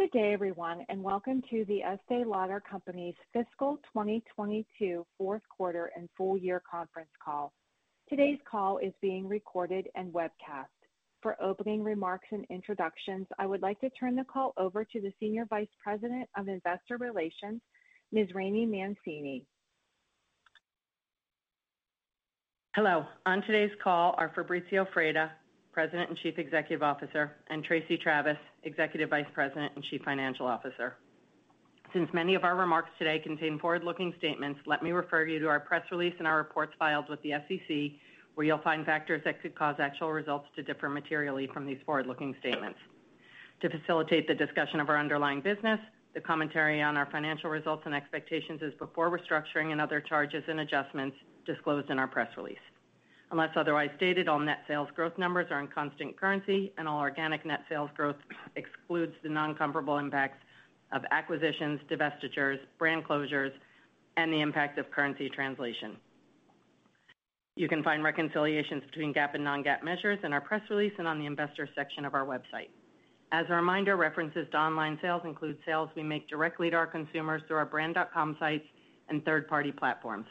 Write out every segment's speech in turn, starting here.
Good day, everyone, and welcome to the Estée Lauder Companies Fiscal 2022 fourth quarter and full year conference call. Today's call is being recorded and webcast. For opening remarks and introductions, I would like to turn the call over to the Senior Vice President of Investor Relations, Ms. Laraine Mancini. Hello. On today's call are Fabrizio Freda, President and Chief Executive Officer, and Tracey Travis, Executive Vice President and Chief Financial Officer. Since many of our remarks today contain forward-looking statements, let me refer you to our press release and our reports filed with the SEC, where you'll find factors that could cause actual results to differ materially from these forward-looking statements. To facilitate the discussion of our underlying business, the commentary on our financial results and expectations is before restructuring and other charges and adjustments disclosed in our press release. Unless otherwise stated, all net sales growth numbers are in constant currency, and all organic net sales growth excludes the non-comparable impacts of acquisitions, divestitures, brand closures, and the impact of currency translation. You can find reconciliations between GAAP and non-GAAP measures in our press release and on the investor section of our website. As a reminder, references to online sales include sales we make directly to our consumers through our brand.com sites and third-party platforms.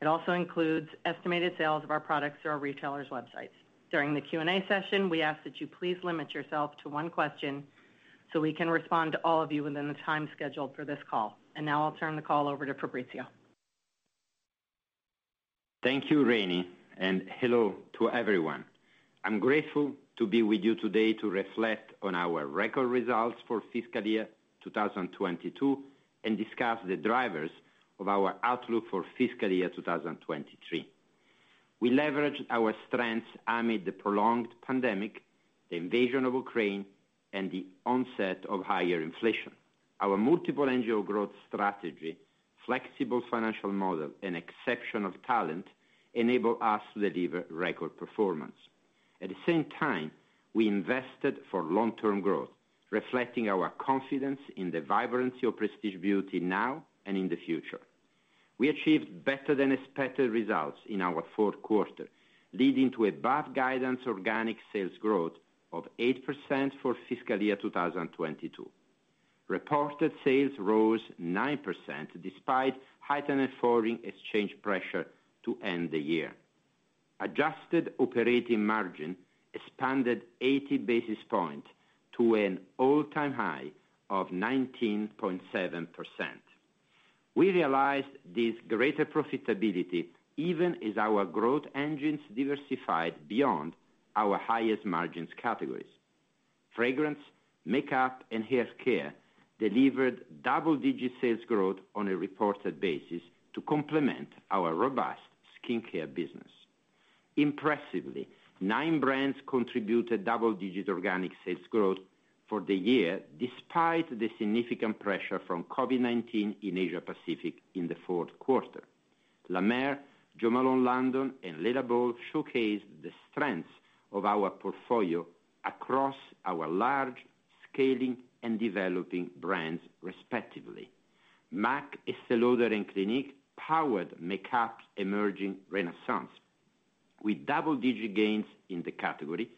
It also includes estimated sales of our products through our retailers' websites. During the Q&A session, we ask that you please limit yourself to one question, so we can respond to all of you within the time scheduled for this call. Now I'll turn the call over to Fabrizio. Thank you, Rainey, and hello to everyone. I'm grateful to be with you today to reflect on our record results for fiscal year 2022, and discuss the drivers of our outlook for fiscal year 2023. We leveraged our strengths amid the prolonged pandemic, the invasion of Ukraine, and the onset of higher inflation. Our multi-angle growth strategy, flexible financial model, and exceptional talent enable us to deliver record performance. At the same time, we invested for long-term growth, reflecting our confidence in the vibrancy of Prestige Beauty now and in the future. We achieved better than expected results in our fourth quarter, leading to above guidance organic sales growth of 8% for fiscal year 2022. Reported sales rose 9% despite heightened foreign exchange pressure to end the year. Adjusted operating margin expanded 80 basis points to an all-time high of 19.7%. We realized this greater profitability even as our growth engines diversified beyond our highest margins categories. Fragrance, makeup, and hair care delivered double-digit sales growth on a reported basis to complement our robust skincare business. Impressively, brands brands contributed double-digit organic sales growth for the year despite the significant pressure from COVID-19 in Asia Pacific in the fourth quarter. La Mer, Jo Malone London, and Le Labo showcased the strengths of our portfolio across our large scaling and developing brands, respectively. M·A·C, Estée Lauder, and Clinique powered makeup's emerging renaissance with double-digit gains in the category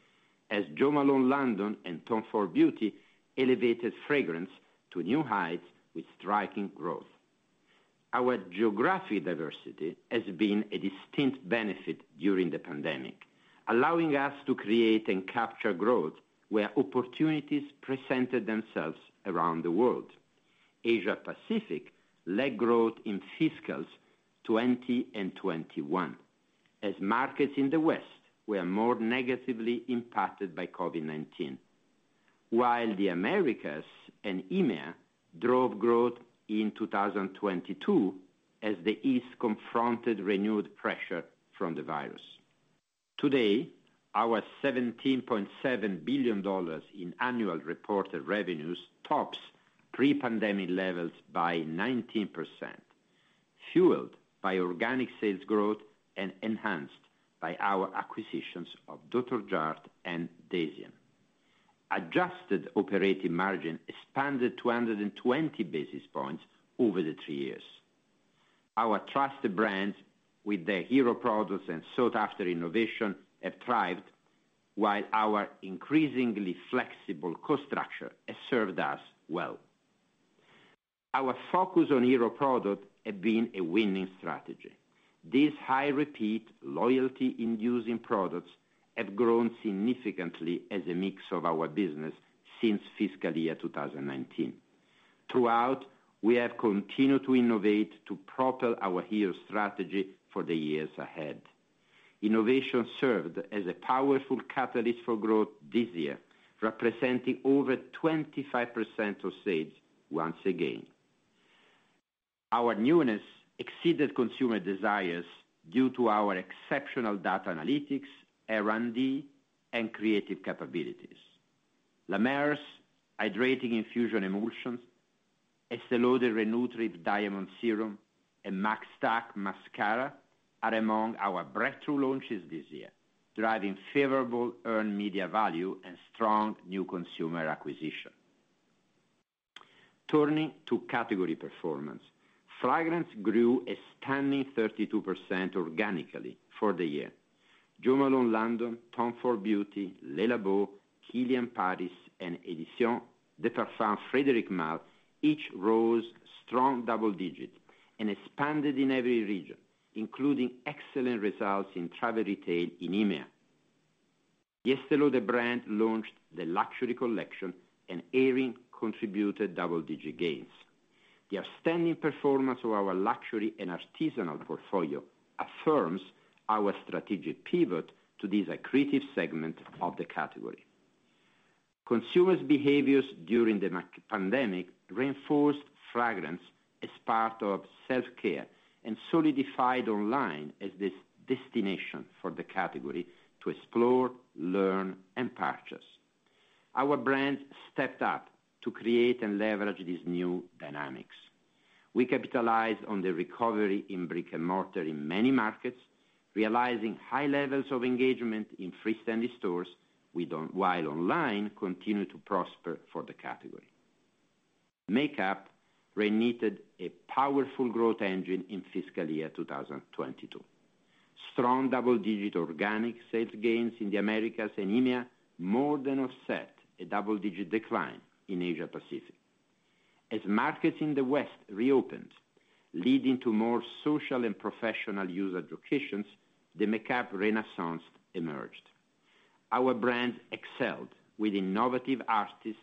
as Jo Malone London and Tom Ford Beauty elevated fragrance to new heights with striking growth. Our geographic diversity has been a distinct benefit during the pandemic, allowing us to create and capture growth where opportunities presented themselves around the world. Asia Pacific led growth in fiscal 2020 and 2021, as markets in the West were more negatively impacted by COVID-19. The Americas and EMEA drove growth in 2022 as the East confronted renewed pressure from the virus. Today, our $17.7 billion in annual reported revenues tops pre-pandemic levels by 19%, fueled by organic sales growth and enhanced by our acquisitions of Dr. Jart+ and Deciem. Adjusted operating margin expanded 220 basis points over the three years. Our trusted brands with their hero products and sought-after innovation have thrived while our increasingly flexible cost structure has served us well. Our focus on hero product have been a winning strategy. These high repeat loyalty-inducing products have grown significantly as a mix of our business since fiscal year 2019. Throughout, we have continued to innovate to propel our hero strategy for the years ahead. Innovation served as a powerful catalyst for growth this year, representing over 25% of sales once again. Our newness exceeded consumer desires due to our exceptional data analytics, R&D, and creative capabilities. La Mer's The Hydrating Infused Emulsion, Estée Lauder Re-Nutriv Ultimate Diamond Transformative Brilliance Serum, and MAC Stax Mascara are among our breakthrough launches this year, driving favorable earned media value and strong new consumer acquisition. Turning to category performance. Fragrance grew a stunning 32% organically for the year. Jo Malone London, Tom Ford Beauty, Le Labo, Kilian Paris, and Editions de Parfums Frédéric Malle each rose strong double digits and expanded in every region, including excellent results in travel retail in EMEA. Estée Lauder brand launched the luxury collection, and AERIN contributed double-digit gains. The outstanding performance of our luxury and artisanal portfolio affirms our strategic pivot to this accretive segment of the category. Consumers' behaviors during the pandemic reinforced fragrance as part of self-care and solidified online as this destination for the category to explore, learn, and purchase. Our brand stepped up to create and leverage these new dynamics. We capitalized on the recovery in brick-and-mortar in many markets, realizing high levels of engagement in freestanding stores while online continued to prosper for the category. Makeup reignited a powerful growth engine in fiscal year 2022. Strong double-digit organic sales gains in the Americas and EMEA more than offset a double-digit decline in Asia-Pacific. As markets in the West reopened, leading to more social and professional use occasions, the makeup renaissance emerged. Our brands excelled with innovative artists,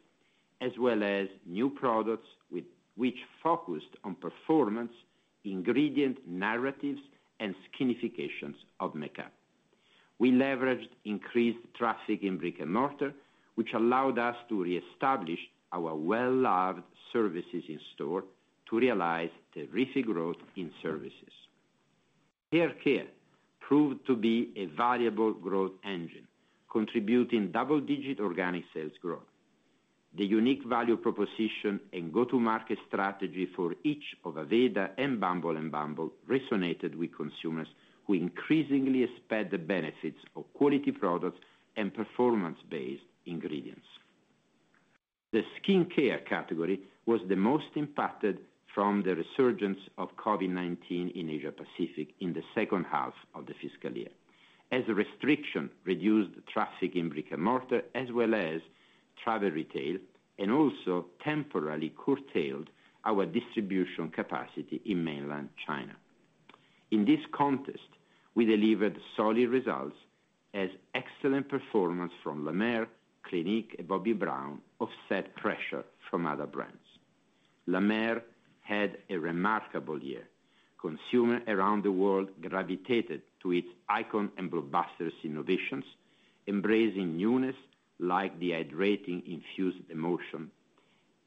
as well as new products with which focused on performance, ingredient narratives, and skinifications of makeup. We leveraged increased traffic in brick-and-mortar, which allowed us to reestablish our well-loved services in store to realize terrific growth in services. Hair care proved to be a valuable growth engine, contributing double-digit organic sales growth. The unique value proposition and go-to-market strategy for each of Aveda and Bumble & bumble resonated with consumers who increasingly expect the benefits of quality products and performance-based ingredients. The skincare category was the most impacted from the resurgence of COVID-19 in Asia-Pacific in the second half of the fiscal year, as a restriction reduced traffic in brick-and-mortar as well as travel retail, and also temporarily curtailed our distribution capacity in mainland China. In this context, we delivered solid results as excellent performance from La Mer, Clinique, and Bobbi Brown offset pressure from other brands. La Mer had a remarkable year. Consumers around the world gravitated to its icon and blockbuster innovations, embracing newness like The Hydrating Infused Emulsion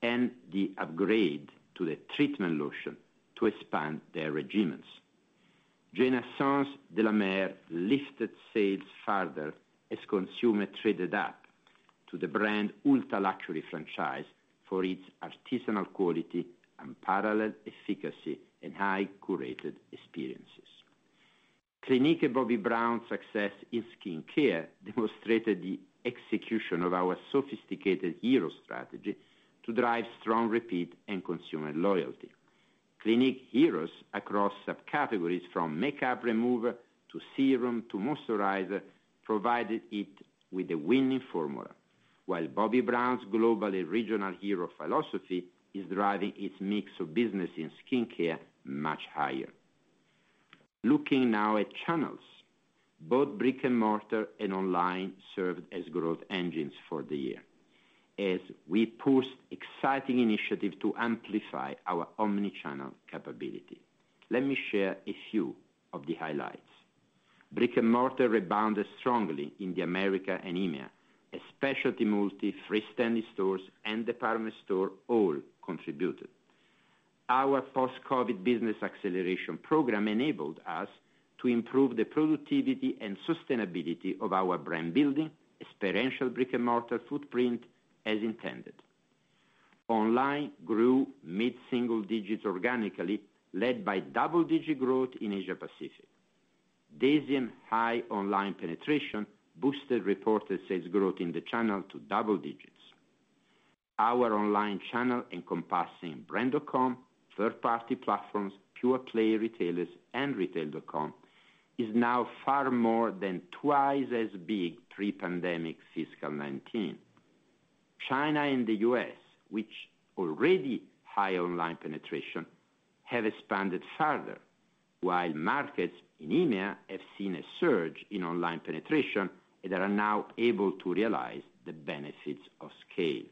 and the upgrade to The Treatment Lotion to expand their regimens. Genaissance de la Mer lifted sales further as consumers traded up to the brand's ultra-luxury franchise for its artisanal quality, unparalleled efficacy, and highly curated experiences. Clinique and Bobbi Brown success in skincare demonstrated the execution of our sophisticated hero strategy to drive strong repeat and consumer loyalty. Clinique heroes across subcategories from makeup remover to serum to moisturizer provided it with a winning formula. While Bobbi Brown's global and regional hero philosophy is driving its mix of business in skincare much higher. Looking now at channels, both brick-and-mortar and online served as growth engines for the year, as we pushed exciting initiatives to amplify our omni-channel capability. Let me share a few of the highlights. Brick-and-mortar rebounded strongly in the Americas and EMEA, especially in multi-freestanding stores and department stores all contributed. Our Post-COVID Business Acceleration Program enabled us to improve the productivity and sustainability of our brand-building, experiential brick-and-mortar footprint as intended. Online grew mid-single digits organically, led by double-digit growth in Asia-Pacific. Deciem's high online penetration boosted reported sales growth in the channel to double digits. Our online channel encompassing brand.com, third-party platforms, pure-play retailers, and retailer.com is now far more than twice as big pre-pandemic fiscal 2019. China and the US, which already have high online penetration, have expanded further, while markets in EMEA have seen a surge in online penetration that are now able to realize the benefits of scale.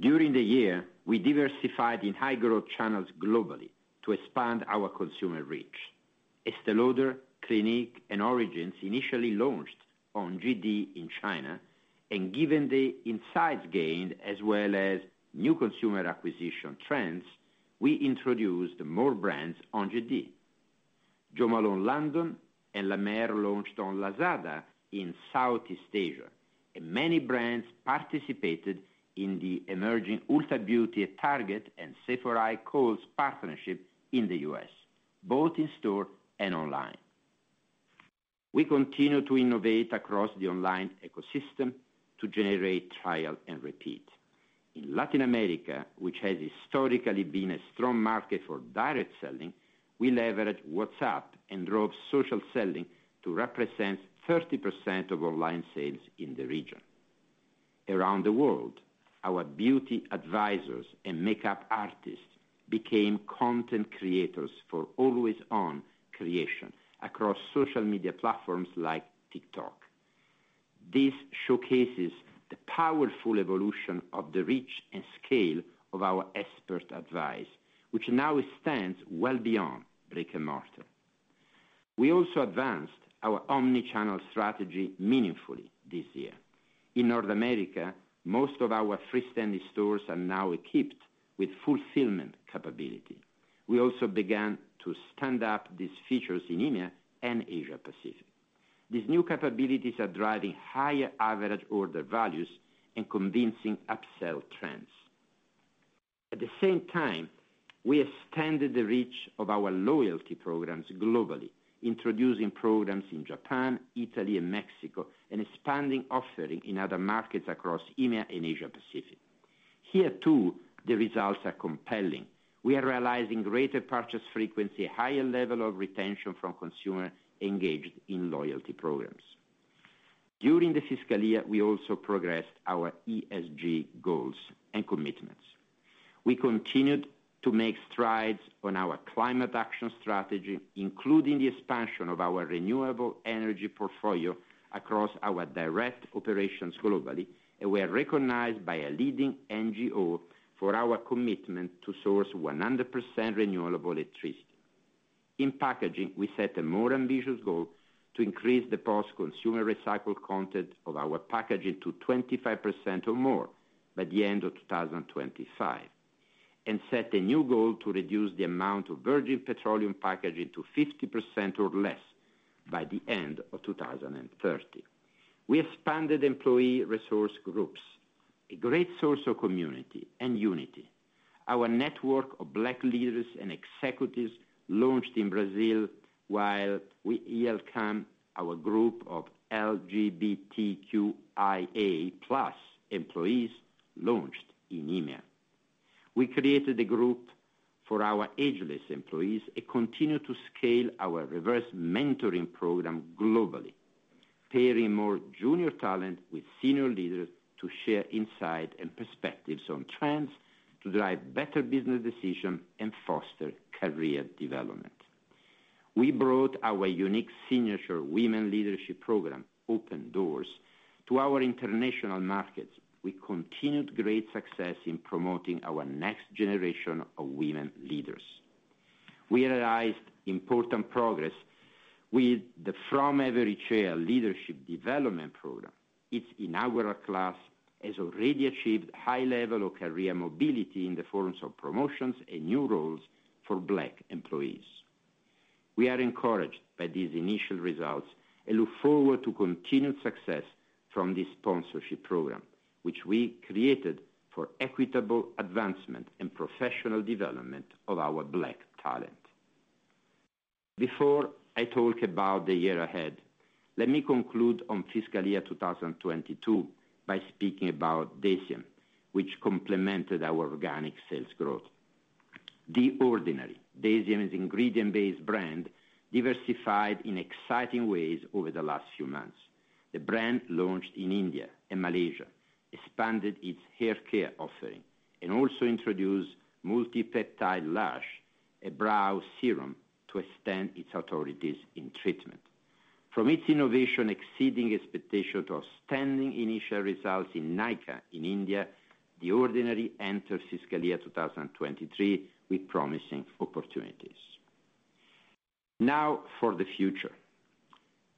During the year, we diversified in high-growth channels globally to expand our consumer reach. Estée Lauder, Clinique, and Origins initially launched on JD in China, and given the insights gained as well as new consumer acquisition trends, we introduced more brands on JD. Jo Malone London and La Mer launched on Lazada in Southeast Asia, and many brands participated in the emerging Ulta Beauty at Target and Sephora-Kohl's partnership in the US, both in store and online. We continue to innovate across the online ecosystem to generate trial and repeat. In Latin America, which has historically been a strong market for direct selling, we leveraged WhatsApp and drove social selling to represent 30% of online sales in the region. Around the world, our beauty advisors and makeup artists became content creators for always on creation across social media platforms like TikTok. This showcases the powerful evolution of the reach and scale of our expert advice, which now extends well beyond brick-and-mortar. We also advanced our omni-channel strategy meaningfully this year. In North America, most of our freestanding stores are now equipped with fulfillment capability. We also began to stand up these features in EMEA and Asia-Pacific. These new capabilities are driving higher average order values and convincing upsell trends. At the same time, we extended the reach of our loyalty programs globally, introducing programs in Japan, Italy and Mexico, and expanding offering in other markets across EMEA and Asia-Pacific. Here too, the results are compelling. We are realizing greater purchase frequency, higher level of retention from consumers engaged in loyalty programs. During the fiscal year, we also progressed our ESG goals and commitments. We continued to make strides on our climate action strategy, including the expansion of our renewable energy portfolio across our direct operations globally, and we are recognized by a leading NGO for our commitment to source 100% renewable electricity. In packaging, we set a more ambitious goal to increase the post-consumer recycled content of our packaging to 25% or more by the end of 2025, and set a new goal to reduce the amount of virgin petroleum packaging to 50% or less by the end of 2030. We expanded employee resource groups, a great source of community and unity. Our network of Black leaders and executives launched in Brazil while we welcome our group of LGBTQIA+ employees launched in EMEA. We created a group for our ageless employees and continue to scale our reverse mentoring program globally, pairing more junior talent with senior leaders to share insight and perspectives on trends to drive better business decisions and foster career development. We brought our unique signature women leadership program, Open Doors, to our international markets. We continued great success in promoting our next generation of women leaders. We realized important progress with the From Every Chair leadership development program. Its inaugural class has already achieved high level of career mobility in the forms of promotions and new roles for Black employees. We are encouraged by these initial results and look forward to continued success from this sponsorship program, which we created for equitable advancement and professional development of our Black talent. Before I talk about the year ahead, let me conclude on fiscal year 2022 by speaking about Deciem, which complemented our organic sales growth. The Ordinary, Deciem's ingredient-based brand, diversified in exciting ways over the last few months. The brand launched in India and Malaysia, expanded its hair care offering, and also introduced Multi-Peptide Lash and Brow Serum to extend its authority in treatment. From its innovation exceeding expectation to outstanding initial results in Nykaa in India, The Ordinary enters fiscal year 2023 with promising opportunities. Now for the future.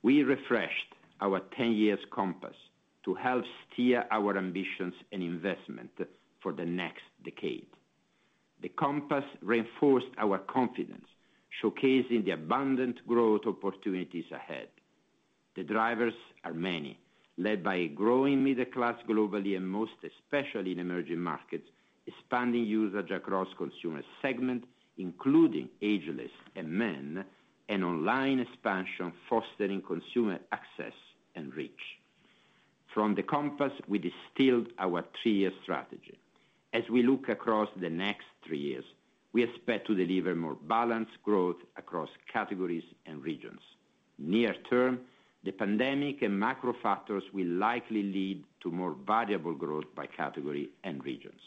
We refreshed our 10-year compass to help steer our ambitions and investment for the next decade. The compass reinforced our confidence, showcasing the abundant growth opportunities ahead. The drivers are many, led by a growing middle class globally and most especially in emerging markets, expanding usage across consumer segment, including ageless and men, and online expansion, fostering consumer access and reach. From the compass, we distilled our three-year strategy. As we look across the next three years, we expect to deliver more balanced growth across categories and regions. Near term, the pandemic and macro factors will likely lead to more variable growth by category and regions.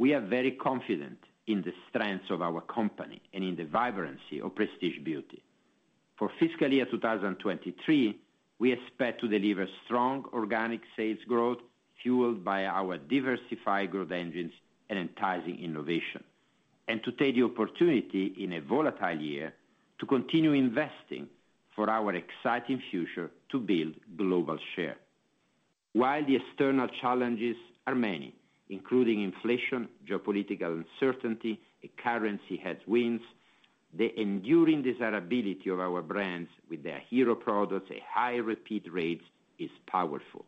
We are very confident in the strengths of our company and in the vibrancy of prestige beauty. For fiscal year 2023, we expect to deliver strong organic sales growth fueled by our diversified growth engines and enticing innovation. To take the opportunity in a volatile year to continue investing for our exciting future to build global share. While the external challenges are many, including inflation, geopolitical uncertainty, and currency headwinds, the enduring desirability of our brands with their hero products and high repeat rates is powerful.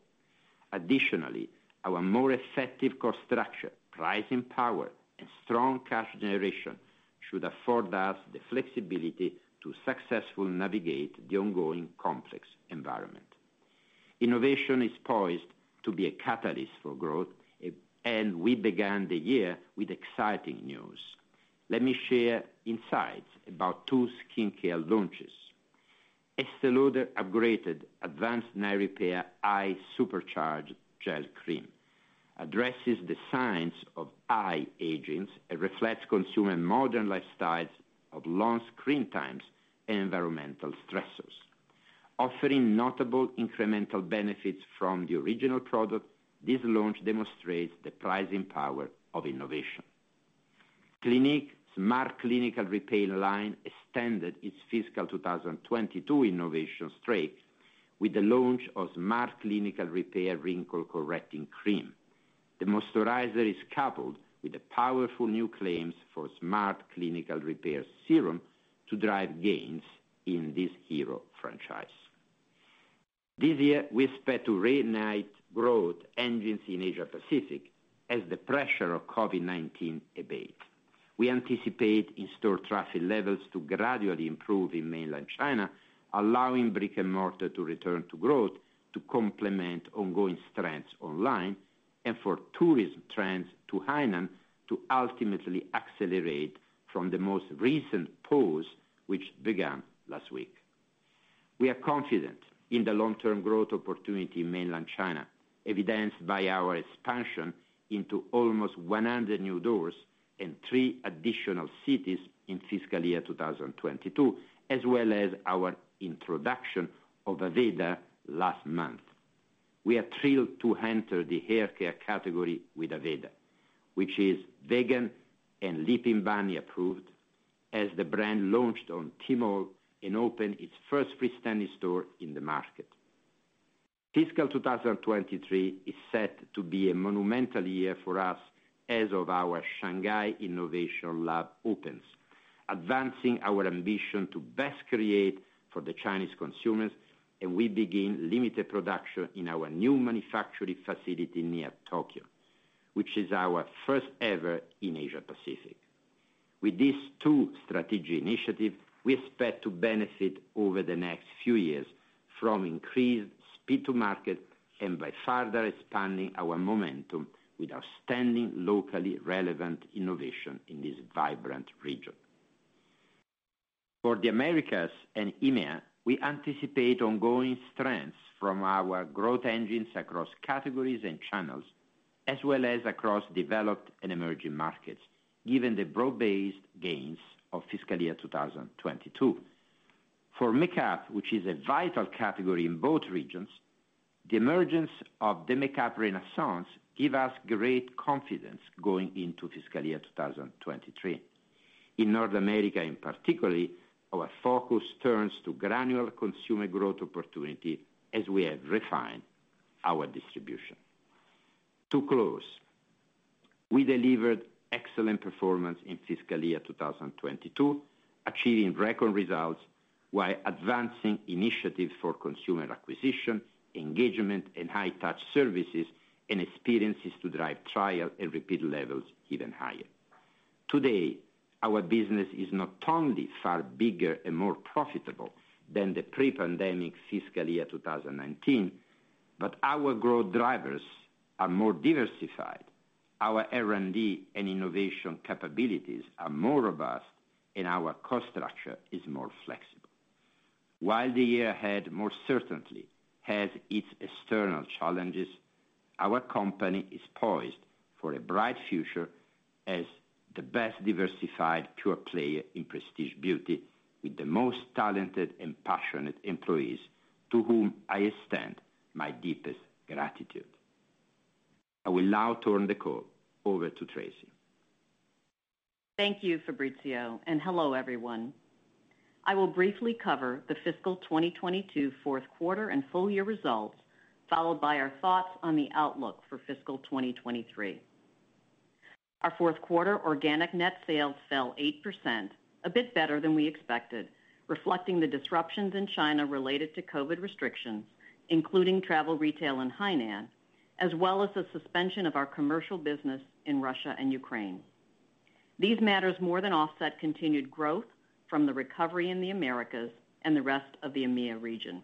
Additionally, our more effective cost structure, pricing power, and strong cash generation should afford us the flexibility to successfully navigate the ongoing complex environment. Innovation is poised to be a catalyst for growth, and we began the year with exciting news. Let me share insights about two skincare launches. Estée Lauder upgraded Advanced Night Repair Eye Supercharged Gel-Creme addresses the signs of eye aging and reflects consumer modern lifestyles of long screen times and environmental stressors. Offering notable incremental benefits from the original product, this launch demonstrates the pricing power of innovation. Clinique Smart Clinical Repair line extended its fiscal 2022 innovation strength with the launch of Smart Clinical Repair Wrinkle Correcting Cream. The moisturizer is coupled with the powerful new claims for Smart Clinical Repair Serum to drive gains in this hero franchise. This year, we expect to reignite growth engines in Asia Pacific as the pressure of COVID-19 abates. We anticipate in-store traffic levels to gradually improve in mainland China, allowing brick-and-mortar to return to growth to complement ongoing strengths online, and for tourism trends to Hainan to ultimately accelerate from the most recent pause which began last week. We are confident in the long-term growth opportunity in mainland China, evidenced by our expansion into almost 100 new doors in three additional cities in fiscal year 2022, as well as our introduction of Aveda last month. We are thrilled to enter the haircare category with Aveda, which is vegan and Leaping Bunny approved as the brand launched on Tmall and opened its first freestanding store in the market. Fiscal 2023 is set to be a monumental year for us as our Shanghai innovation lab opens, advancing our ambition to best create for the Chinese consumers, and we begin limited production in our new manufacturing facility near Tokyo, which is our first ever in Asia Pacific. With these two strategy initiatives, we expect to benefit over the next few years from increased speed to market and by further expanding our momentum with outstanding, locally relevant innovation in this vibrant region. For the Americas and EMEA, we anticipate ongoing strengths from our growth engines across categories and channels, as well as across developed and emerging markets, given the broad-based gains of fiscal year 2022. For makeup, which is a vital category in both regions, the emergence of the makeup renaissance give us great confidence going into fiscal year 2023. In North America, in particular, our focus turns to granular consumer growth opportunity as we have refined our distribution. To close, we delivered excellent performance in fiscal year 2022, achieving record results while advancing initiatives for consumer acquisition, engagement, and high-touch services and experiences to drive trial and repeat levels even higher. Today, our business is not only far bigger and more profitable than the pre-pandemic fiscal year 2019, but our growth drivers are more diversified, our R&D and innovation capabilities are more robust, and our cost structure is more flexible. While the year ahead most certainly has its external challenges, our company is poised for a bright future as the best diversified pure player in prestige beauty with the most talented and passionate employees to whom I extend my deepest gratitude. I will now turn the call over to Tracey. Thank you, Fabrizio, and hello, everyone. I will briefly cover the fiscal 2022 fourth quarter and full year results, followed by our thoughts on the outlook for fiscal 2023. Our fourth quarter organic net sales fell 8%, a bit better than we expected, reflecting the disruptions in China related to COVID restrictions, including travel retail and Hainan, as well as the suspension of our commercial business in Russia and Ukraine. These matters more than offset continued growth from the recovery in the Americas and the rest of the EMEA region.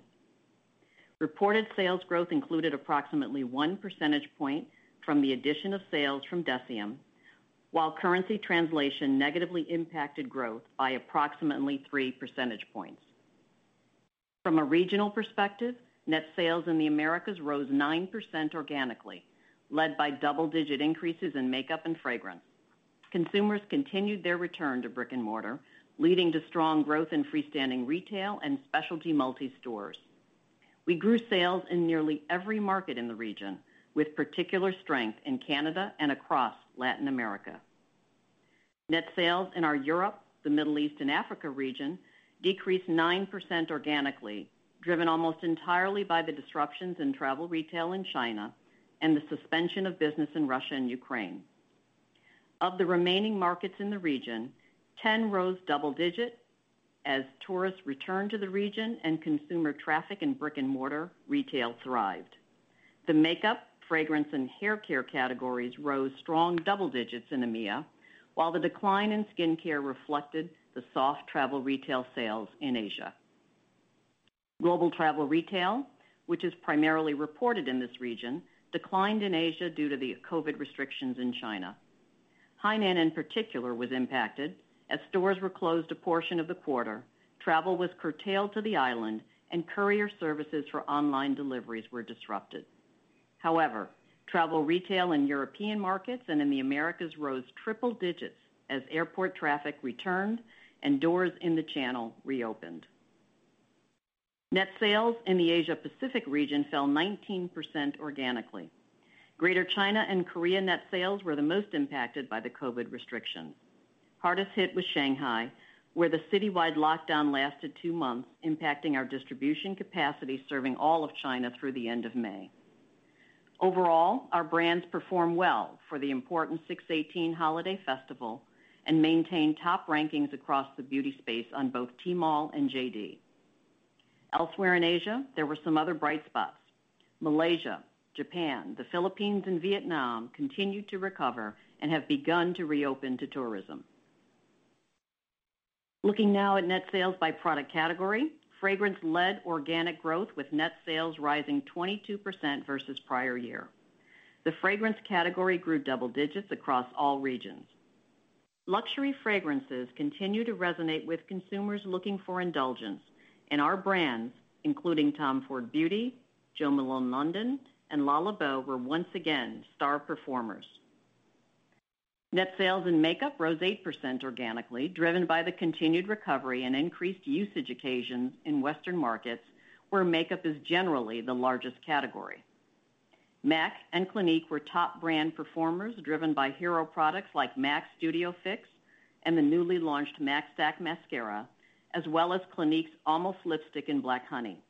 Reported sales growth included approximately one percentage point from the addition of sales from Deciem, while currency translation negatively impacted growth by approximately three percentage points. From a regional perspective, net sales in the Americas rose 9% organically, led by double-digit increases in makeup and fragrance. Consumers continued their return to brick-and-mortar, leading to strong growth in freestanding retail and specialty multi stores. We grew sales in nearly every market in the region, with particular strength in Canada and across Latin America. Net sales in our Europe, the Middle East, and Africa region decreased 9% organically, driven almost entirely by the disruptions in travel retail in China and the suspension of business in Russia and Ukraine. Of the remaining markets in the region, 10 rose double-digit as tourists returned to the region and consumer traffic in brick-and-mortar retail thrived. The makeup, fragrance, and hair care categories rose strong double-digits in EMEA, while the decline in skincare reflected the soft travel retail sales in Asia. Global travel retail, which is primarily reported in this region, declined in Asia due to the COVID restrictions in China. Hainan, in particular, was impacted as stores were closed a portion of the quarter, travel was curtailed to the island, and courier services for online deliveries were disrupted. However, travel retail in European markets and in the Americas rose triple digits as airport traffic returned and doors in the channel reopened. Net sales in the Asia-Pacific region fell 19% organically. Greater China and Korea net sales were the most impacted by the COVID restrictions. Hardest hit was Shanghai, where the citywide lockdown lasted two months, impacting our distribution capacity, serving all of China through the end of May. Overall, our brands performed well for the important 618 holiday festival and maintained top rankings across the beauty space on both Tmall and JD. Elsewhere in Asia, there were some other bright spots. Malaysia, Japan, the Philippines, and Vietnam continued to recover and have begun to reopen to tourism. Looking now at net sales by product category, fragrance led organic growth with net sales rising 22% versus prior year. The fragrance category grew double digits across all regions. Luxury fragrances continue to resonate with consumers looking for indulgence. Our brands, including Tom Ford Beauty, Jo Malone London, and Le Labo were once again star performers. Net sales in makeup rose 8% organically, driven by the continued recovery and increased usage occasions in Western markets, where makeup is generally the largest category. M·A·C and Clinique were top brand performers, driven by hero products like M·A·C Studio Fix and the newly launched M·A·C Stax Mascara, as well as Clinique's Almost Lipstick in Black Honey.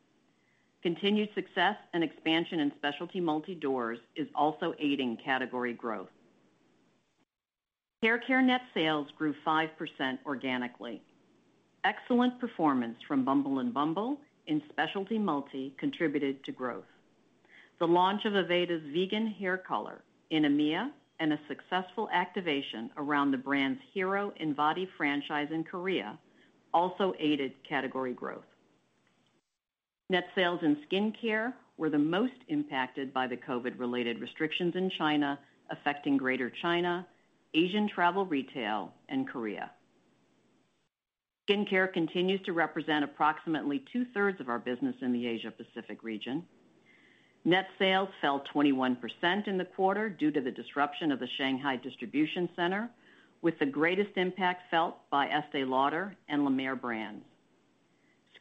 Continued success and expansion in specialty multi-doors is also aiding category growth. Hair care net sales grew 5% organically. Excellent performance from Bumble & bumble in specialty multi contributed to growth. The launch of Aveda's vegan hair color in EMEA and a successful activation around the brand's hero Invati franchise in Korea also aided category growth. Net sales in skincare were the most impacted by the COVID-related restrictions in China, affecting Greater China, Asian travel retail, and Korea. Skincare continues to represent approximately two-thirds of our business in the Asia-Pacific region. Net sales fell 21% in the quarter due to the disruption of the Shanghai distribution center, with the greatest impact felt by Estée Lauder and La Mer brands.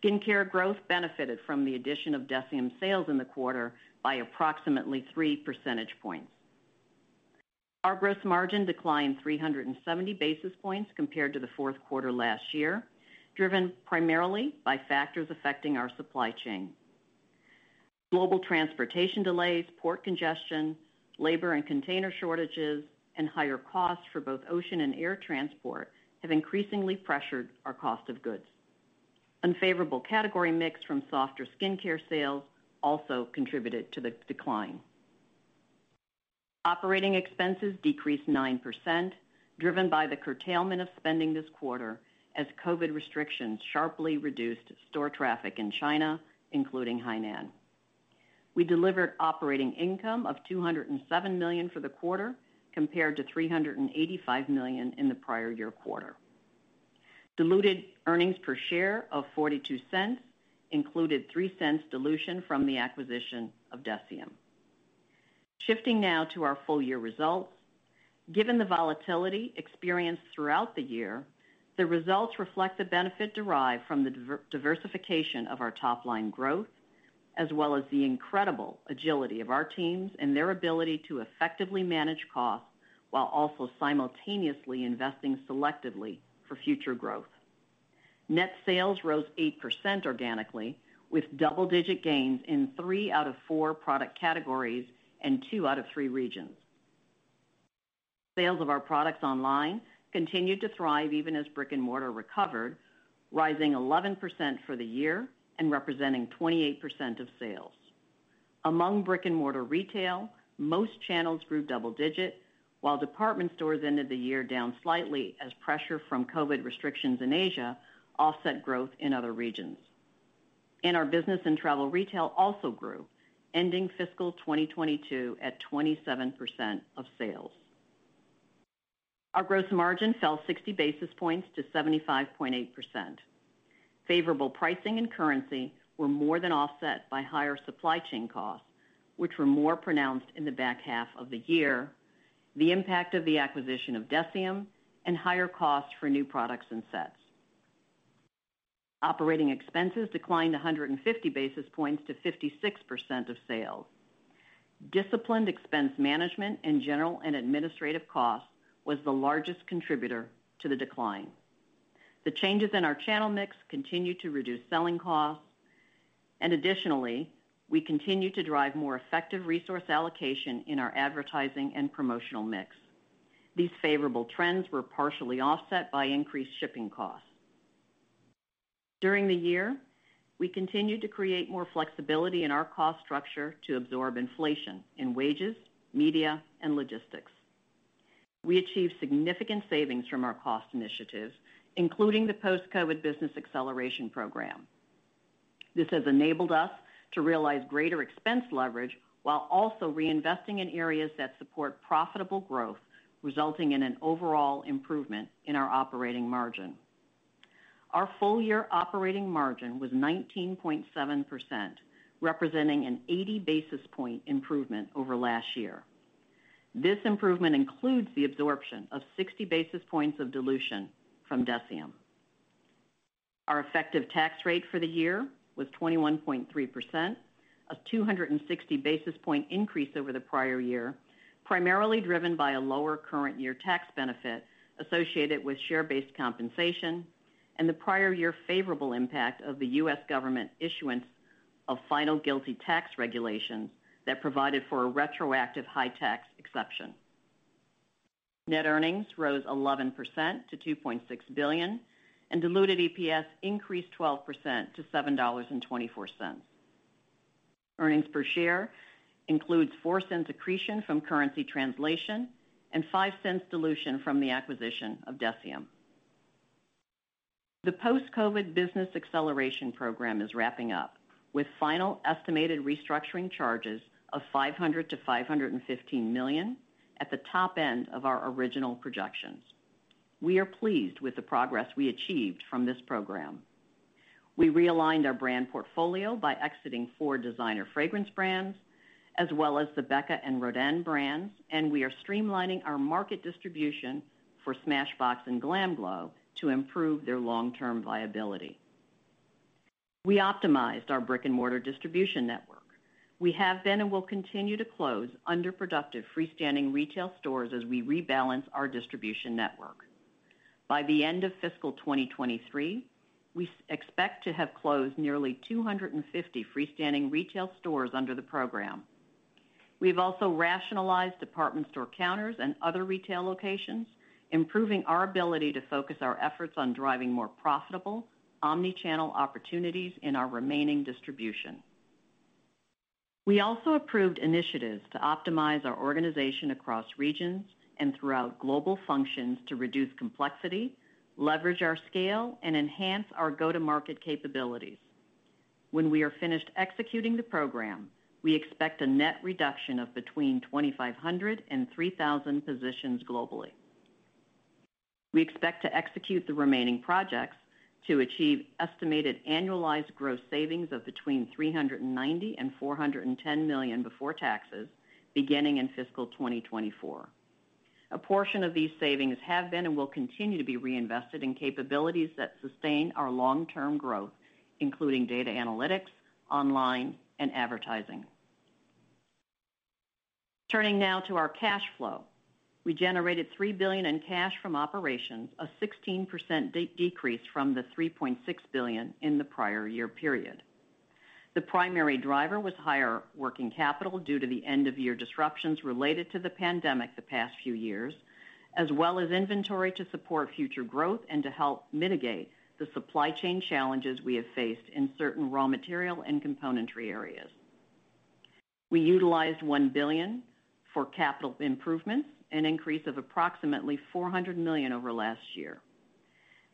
Skincare growth benefited from the addition of Deciem sales in the quarter by approximately three percentage points. Our gross margin declined 370 basis points compared to the fourth quarter last year, driven primarily by factors affecting our supply chain. Global transportation delays, port congestion, labor and container shortages, and higher costs for both ocean and air transport have increasingly pressured our cost of goods. Unfavorable category mix from softer skincare sales also contributed to the decline. Operating expenses decreased 9%, driven by the curtailment of spending this quarter as COVID restrictions sharply reduced store traffic in China, including Hainan. We delivered operating income of $207 million for the quarter, compared to $385 million in the prior year quarter. Diluted earnings per share of $0.42 included $0.03 dilution from the acquisition of Deciem. Shifting now to our full year results. Given the volatility experienced throughout the year, the results reflect the benefit derived from the diversification of our top-line growth, as well as the incredible agility of our teams and their ability to effectively manage costs while also simultaneously investing selectively for future growth. Net sales rose 8% organically, with double-digit gains in three out of four product categories and two out of three regions. Sales of our products online continued to thrive even as brick-and-mortar recovered, rising 11% for the year and representing 28% of sales. Among brick-and-mortar retail, most channels grew double digit, while department stores ended the year down slightly as pressure from COVID restrictions in Asia offset growth in other regions. Our business and travel retail also grew, ending fiscal 2022 at 27% of sales. Our gross margin fell 60 basis points to 75.8%. Favorable pricing and currency were more than offset by higher supply chain costs, which were more pronounced in the back half of the year, the impact of the acquisition of Deciem, and higher costs for new products and sets. Operating expenses declined 150 basis points to 56% of sales. Disciplined expense management in general and administrative costs was the largest contributor to the decline. The changes in our channel mix continued to reduce selling costs. Additionally, we continue to drive more effective resource allocation in our advertising and promotional mix. These favorable trends were partially offset by increased shipping costs. During the year, we continued to create more flexibility in our cost structure to absorb inflation in wages, media, and logistics. We achieved significant savings from our cost initiatives, including the Post-COVID Business Acceleration Program. This has enabled us to realize greater expense leverage while also reinvesting in areas that support profitable growth, resulting in an overall improvement in our operating margin. Our full-year operating margin was 19.7%, representing an 80 basis points improvement over last year. This improvement includes the absorption of 60 basis points of dilution from Deciem. Our effective tax rate for the year was 21.3%, a 260 basis points increase over the prior year, primarily driven by a lower current year tax benefit associated with share-based compensation and the prior year favorable impact of the U.S. government issuance of final GILTI tax regulations that provided for a retroactive high tax exception. Net earnings rose 11% to $2.6 billion, and diluted EPS increased 12% to $7.24. Earnings per share includes $0.04 accretion from currency translation and $0.05 dilution from the acquisition of Deciem. The Post-COVID Business Acceleration Program is wrapping up with final estimated restructuring charges of $500 million-$515 million at the top end of our original projections. We are pleased with the progress we achieved from this program. We realigned our brand portfolio by exiting four designer fragrance brands, as well as the BECCA and Rodin brands, and we are streamlining our market distribution for Smashbox and GLAMGLOW to improve their long-term viability. We optimized our brick-and-mortar distribution network. We have been and will continue to close underproductive freestanding retail stores as we rebalance our distribution network. By the end of fiscal 2023, we expect to have closed nearly 250 freestanding retail stores under the program. We've also rationalized department store counters and other retail locations, improving our ability to focus our efforts on driving more profitable omnichannel opportunities in our remaining distribution. We also approved initiatives to optimize our organization across regions and throughout global functions to reduce complexity, leverage our scale, and enhance our go-to-market capabilities. When we are finished executing the program, we expect a net reduction of between 2,500 and 3,000 positions globally. We expect to execute the remaining projects to achieve estimated annualized gross savings of between $390 million and $410 million before taxes beginning in fiscal 2024. A portion of these savings have been and will continue to be reinvested in capabilities that sustain our long-term growth, including data analytics, online and advertising. Turning now to our cash flow. We generated $3 billion in cash from operations, a 16% decrease from the $3.6 billion in the prior year period. The primary driver was higher working capital due to the end-of-year disruptions related to the pandemic the past few years, as well as inventory to support future growth and to help mitigate the supply chain challenges we have faced in certain raw material and componentry areas. We utilized $1 billion for capital improvements, an increase of approximately $400 million over last year.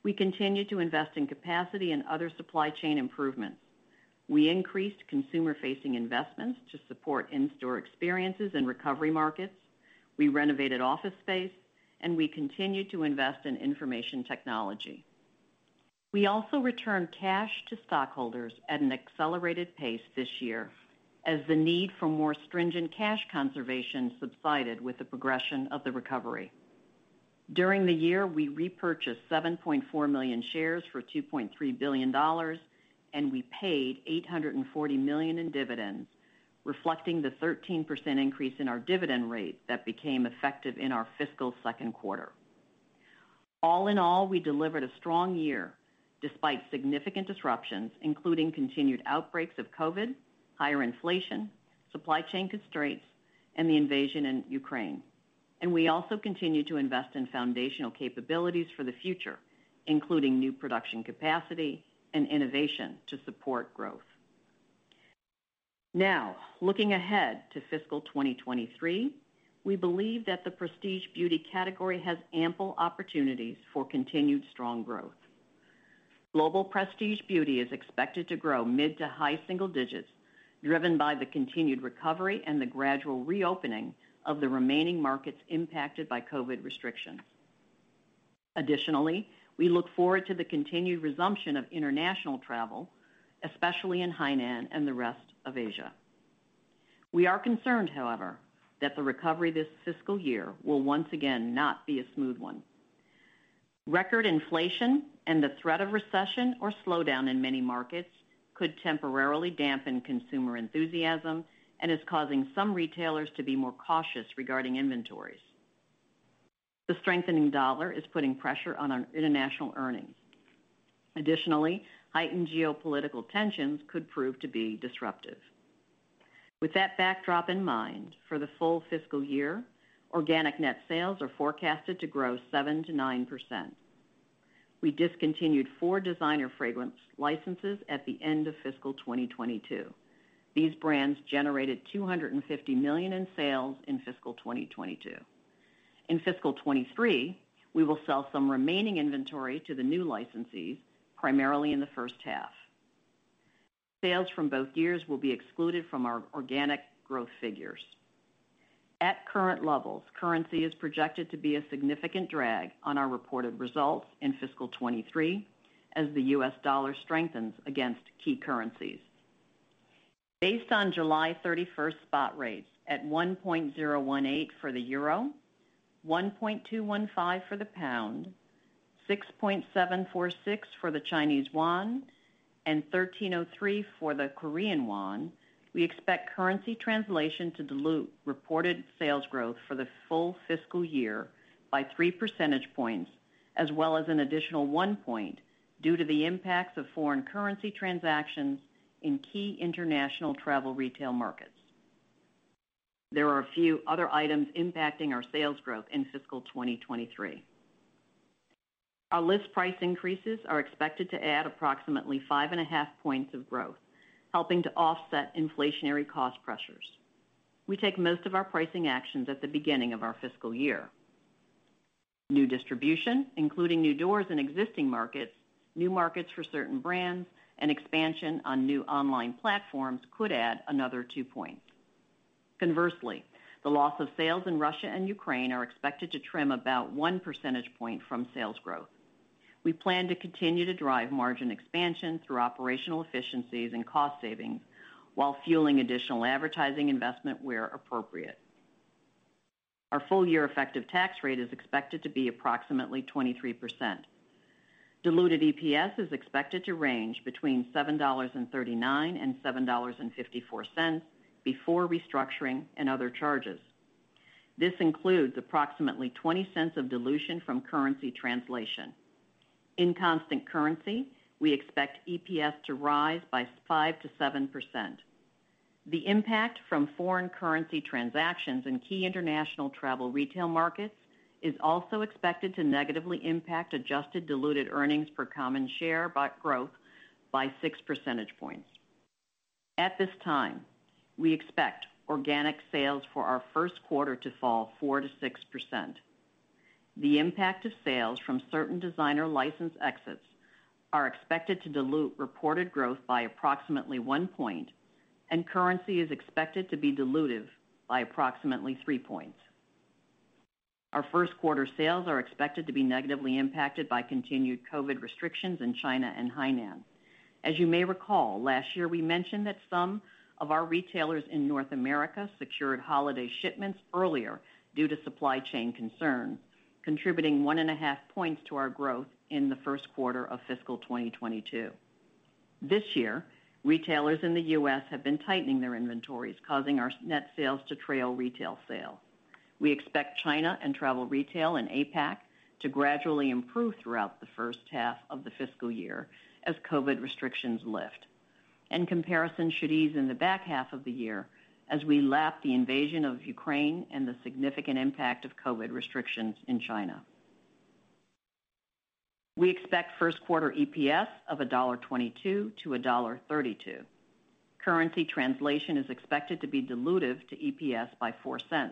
We continued to invest in capacity and other supply chain improvements. We increased consumer-facing investments to support in-store experiences in recovery markets. We renovated office space, and we continued to invest in information technology. We also returned cash to stockholders at an accelerated pace this year as the need for more stringent cash conservation subsided with the progression of the recovery. During the year, we repurchased 7.4 million shares for $2.3 billion, and we paid $840 million in dividends, reflecting the 13% increase in our dividend rate that became effective in our fiscal second quarter. All in all, we delivered a strong year despite significant disruptions, including continued outbreaks of COVID, higher inflation, supply chain constraints, and the invasion in Ukraine. We also continued to invest in foundational capabilities for the future, including new production capacity and innovation to support growth. Now, looking ahead to fiscal 2023, we believe that the prestige beauty category has ample opportunities for continued strong growth. Global prestige beauty is expected to grow mid- to high-single digits, driven by the continued recovery and the gradual reopening of the remaining markets impacted by COVID restrictions. Additionally, we look forward to the continued resumption of international travel, especially in Hainan and the rest of Asia. We are concerned, however, that the recovery this fiscal year will once again not be a smooth one. Record inflation and the threat of recession or slowdown in many markets could temporarily dampen consumer enthusiasm and is causing some retailers to be more cautious regarding inventories. The strengthening dollar is putting pressure on our international earnings. Additionally, heightened geopolitical tensions could prove to be disruptive. With that backdrop in mind, for the full fiscal year, organic net sales are forecasted to grow 7%-9%. We discontinued four designer fragrance licenses at the end of fiscal 2022. These brands generated $250 million in sales in fiscal 2022. In fiscal 2023, we will sell some remaining inventory to the new licensees primarily in the first half. Sales from both years will be excluded from our organic growth figures. At current levels, currency is projected to be a significant drag on our reported results in fiscal 2023 as the US dollar strengthens against key currencies. Based on July 31xt spot rates at 1.018 for the euro, 1.215 for the pound, 6.746 for the Chinese yuan, and 1303 for the Korean won, we expect currency translation to dilute reported sales growth for the full fiscal year by three percentage points, as well as an additional one point due to the impacts of foreign currency transactions in key international travel retail markets. There are a few other items impacting our sales growth in fiscal 2023. Our list price increases are expected to add approximately 5.5 points of growth, helping to offset inflationary cost pressures. We take most of our pricing actions at the beginning of our fiscal year. New distribution, including new doors in existing markets, new markets for certain brands, and expansion on new online platforms could add another two points. Conversely, the loss of sales in Russia and Ukraine are expected to trim about one percentage point from sales growth. We plan to continue to drive margin expansion through operational efficiencies and cost savings while fueling additional advertising investment where appropriate. Our full year effective tax rate is expected to be approximately 23%. Diluted EPS is expected to range between $7.39 and $7.54 before restructuring and other charges. This includes approximately $0.20 of dilution from currency translation. In constant currency, we expect EPS to rise by 5%-7%. The impact from foreign currency transactions in key international travel retail markets is also expected to negatively impact adjusted diluted EPS by six percentage points. At this time, we expect organic sales for our first quarter to fall 4%-6%. The impact of sales from certain designer license exits are expected to dilute reported growth by approximately one point, and currency is expected to be dilutive by approximately three points. Our first quarter sales are expected to be negatively impacted by continued COVID restrictions in China and Hainan. As you may recall, last year we mentioned that some of our retailers in North America secured holiday shipments earlier due to supply chain concerns, contributing 1.5 points to our growth in the first quarter of fiscal 2022. This year, retailers in the U.S. have been tightening their inventories, causing our net sales to trail retail sales. We expect China and travel retail in APAC to gradually improve throughout the first half of the fiscal year as COVID restrictions lift. Comparisons should ease in the back half of the year as we lap the invasion of Ukraine and the significant impact of COVID restrictions in China. We expect first quarter EPS of $1.22-$1.32. Currency translation is expected to be dilutive to EPS by $0.04.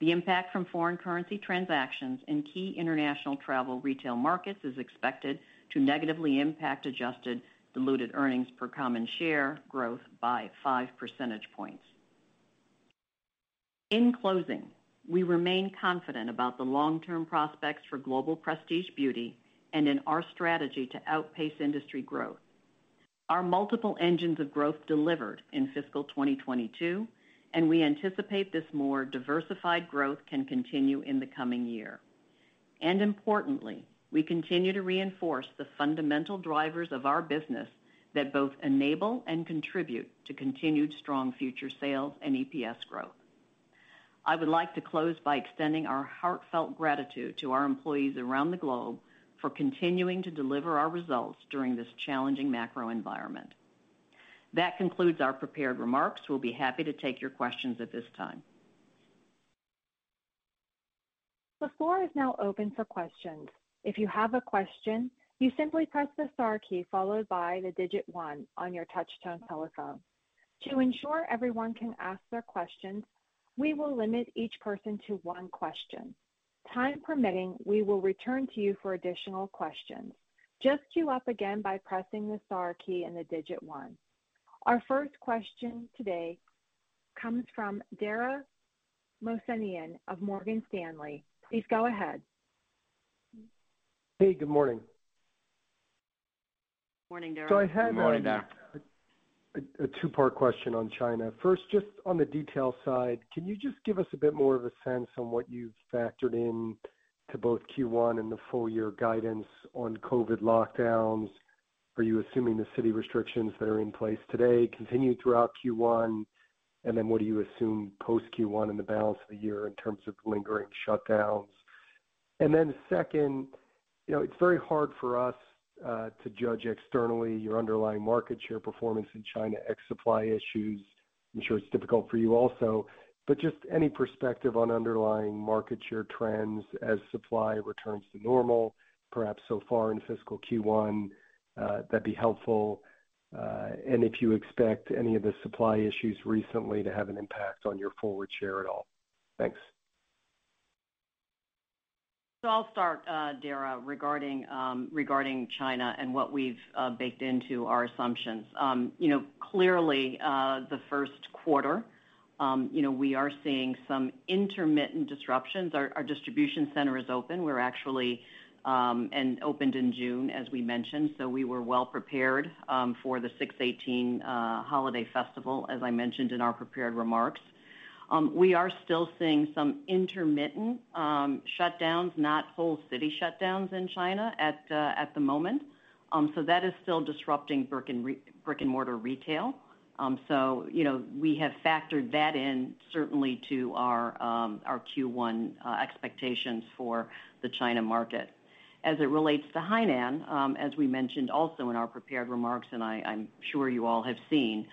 The impact from foreign currency transactions in key international travel retail markets is expected to negatively impact adjusted diluted earnings per common share growth by five percentage points. In closing, we remain confident about the long-term prospects for global prestige beauty and in our strategy to outpace industry growth. Our multiple engines of growth delivered in fiscal 2022, and we anticipate this more diversified growth can continue in the coming year. Importantly, we continue to reinforce the fundamental drivers of our business that both enable and contribute to continued strong future sales and EPS growth. I would like to close by extending our heartfelt gratitude to our employees around the globe for continuing to deliver our results during this challenging macro environment. That concludes our prepared remarks. We'll be happy to take your questions at this time. The floor is now open for questions. If you have a question, you simply press the star key followed by the digit one on your touch-tone telephone. To ensure everyone can ask their questions, we will limit each person to one question. Time permitting, we will return to you for additional questions. Just queue up again by pressing the star key and the digit 1. Our first question today comes from Dara Mohsenian of Morgan Stanley. Please go ahead. Hey, good morning. Morning, Dara. I have. Good morning, Dara.... a two-part question on China. First, just on the detail side, can you just give us a bit more of a sense on what you've factored in to both Q1 and the full year guidance on COVID lockdowns? Are you assuming the city restrictions that are in place today continue throughout Q1? And then what do you assume post Q1 and the balance of the year in terms of lingering shutdowns? And then second, you know, it's very hard for us to judge externally your underlying market share performance in China ex supply issues. I'm sure it's difficult for you also, but just any perspective on underlying market share trends as supply returns to normal, perhaps so far in fiscal Q1, that'd be helpful, and if you expect any of the supply issues recently to have an impact on your forward share at all. Thanks. I'll start, Dara, regarding China and what we've baked into our assumptions. You know, clearly, the first quarter, you know, we are seeing some intermittent disruptions. Our distribution center is open. We actually opened in June, as we mentioned, so we were well prepared for the 618 holiday festival, as I mentioned in our prepared remarks. We are still seeing some intermittent shutdowns, not whole city shutdowns in China at the moment. So that is still disrupting brick-and-mortar retail. You know, we have factored that in certainly to our Q1 expectations for the China market. As it relates to Hainan, as we mentioned also in our prepared remarks, and I'm sure you all have seen,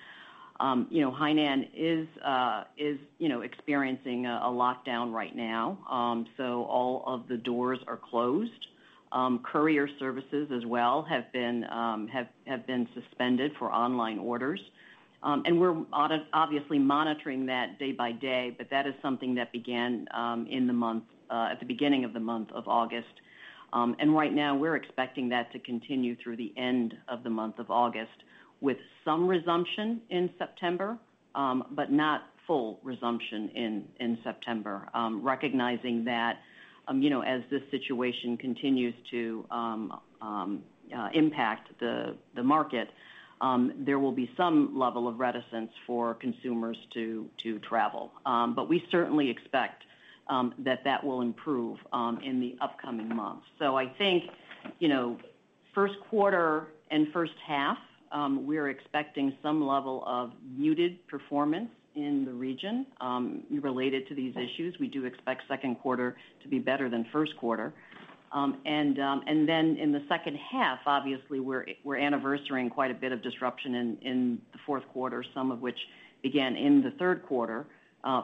you know, Hainan is experiencing a lockdown right now. All of the doors are closed. Courier services as well have been suspended for online orders. We're obviously monitoring that day by day, but that is something that began in the month at the beginning of the month of August. Right now, we're expecting that to continue through the end of the month of August with some resumption in September, but not full resumption in September. Recognizing that, you know, as this situation continues to impact the market, there will be some level of reticence for consumers to travel. We certainly expect that will improve in the upcoming months. I think, you know, first quarter and first half, we're expecting some level of muted performance in the region, related to these issues. We do expect second quarter to be better than first quarter. In the second half, obviously we're anniversarying quite a bit of disruption in the fourth quarter, some of which began in the third quarter,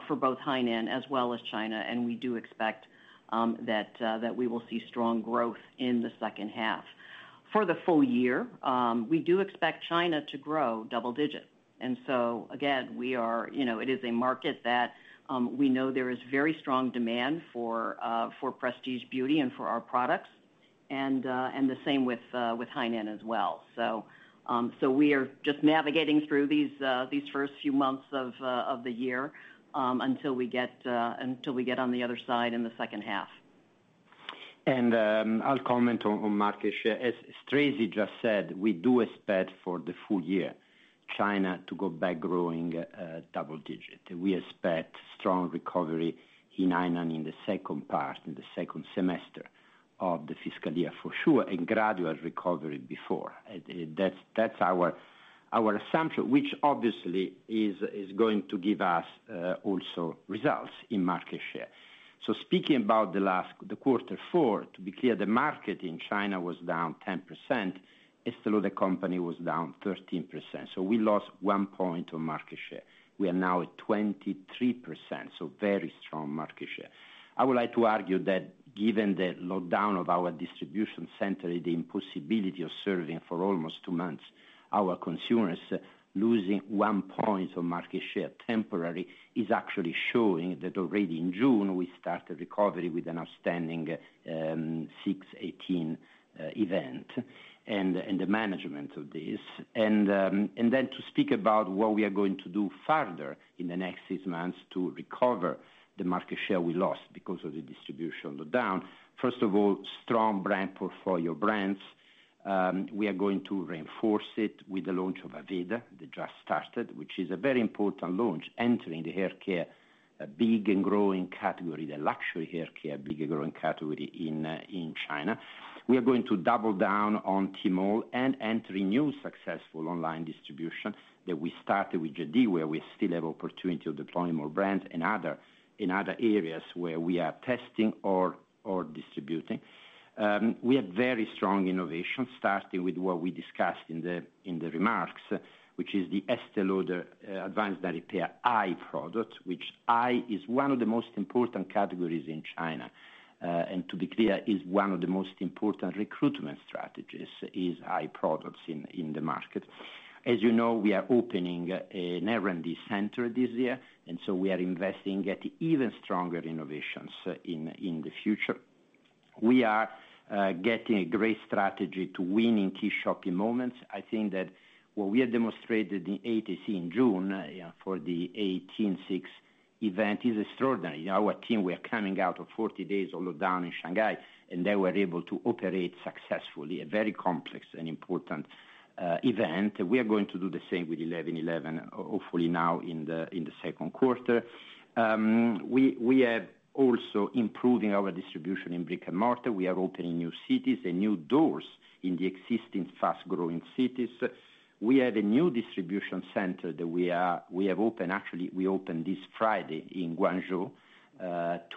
for both Hainan as well as China. We do expect that we will see strong growth in the second half. For the full year, we do expect China to grow double-digit. again, we are, you know, it is a market that we know there is very strong demand for prestige beauty and for our products, and the same with Hainan as well. We are just navigating through these first few months of the year, until we get on the other side in the second half. I'll comment on market share. As Tracey just said, we do expect for the full year, China to go back growing double-digit. We expect strong recovery in Hainan in the second part, in the second semester of the fiscal year, for sure, and gradual recovery before. That's our assumption, which obviously is going to give us also results in market share. Speaking about the last, the quarter four, to be clear, the market in China was down 10%. The Estée Lauder Companies Inc. was down 13%, so we lost one point on market share. We are now at 23%, so very strong market share. I would like to argue that given the lockdown of our distribution center, the impossibility of serving for almost two months, our consumers losing one point on market share temporarily is actually showing that already in June, we started recovery with an outstanding 618 event and the management of this. Then to speak about what we are going to do further in the next six months to recover the market share we lost because of the distribution lockdown. First of all, strong brand portfolio brands. We are going to reinforce it with the launch of Aveda, that just started, which is a very important launch, entering the hair care, a big and growing category, the luxury hair care, big and growing category in China. We are going to double down on Tmall and entering new successful online distribution that we started with JD.com, where we still have opportunity to deploy more brands in other areas where we are testing or distributing. We have very strong innovation, starting with what we discussed in the remarks, which is the Estée Lauder Advanced Night Repair Eye product, which eye is one of the most important categories in China. To be clear, one of the most important recruitment strategies is eye products in the market. As you know, we are opening an R&D center this year, and so we are investing in even stronger innovations in the future. We are getting a great strategy for winning key shopping moments. I think that what we have demonstrated in 618 in June, you know, for the 618 event is extraordinary. Our team, we are coming out of 40 days of lockdown in Shanghai, and they were able to operate successfully a very complex and important event. We are going to do the same with 11.11 hopefully now in the second quarter. We are also improving our distribution in brick-and-mortar. We are opening new cities and new doors in the existing fast-growing cities. We have a new distribution center that we have opened, actually we opened this Friday in Guangzhou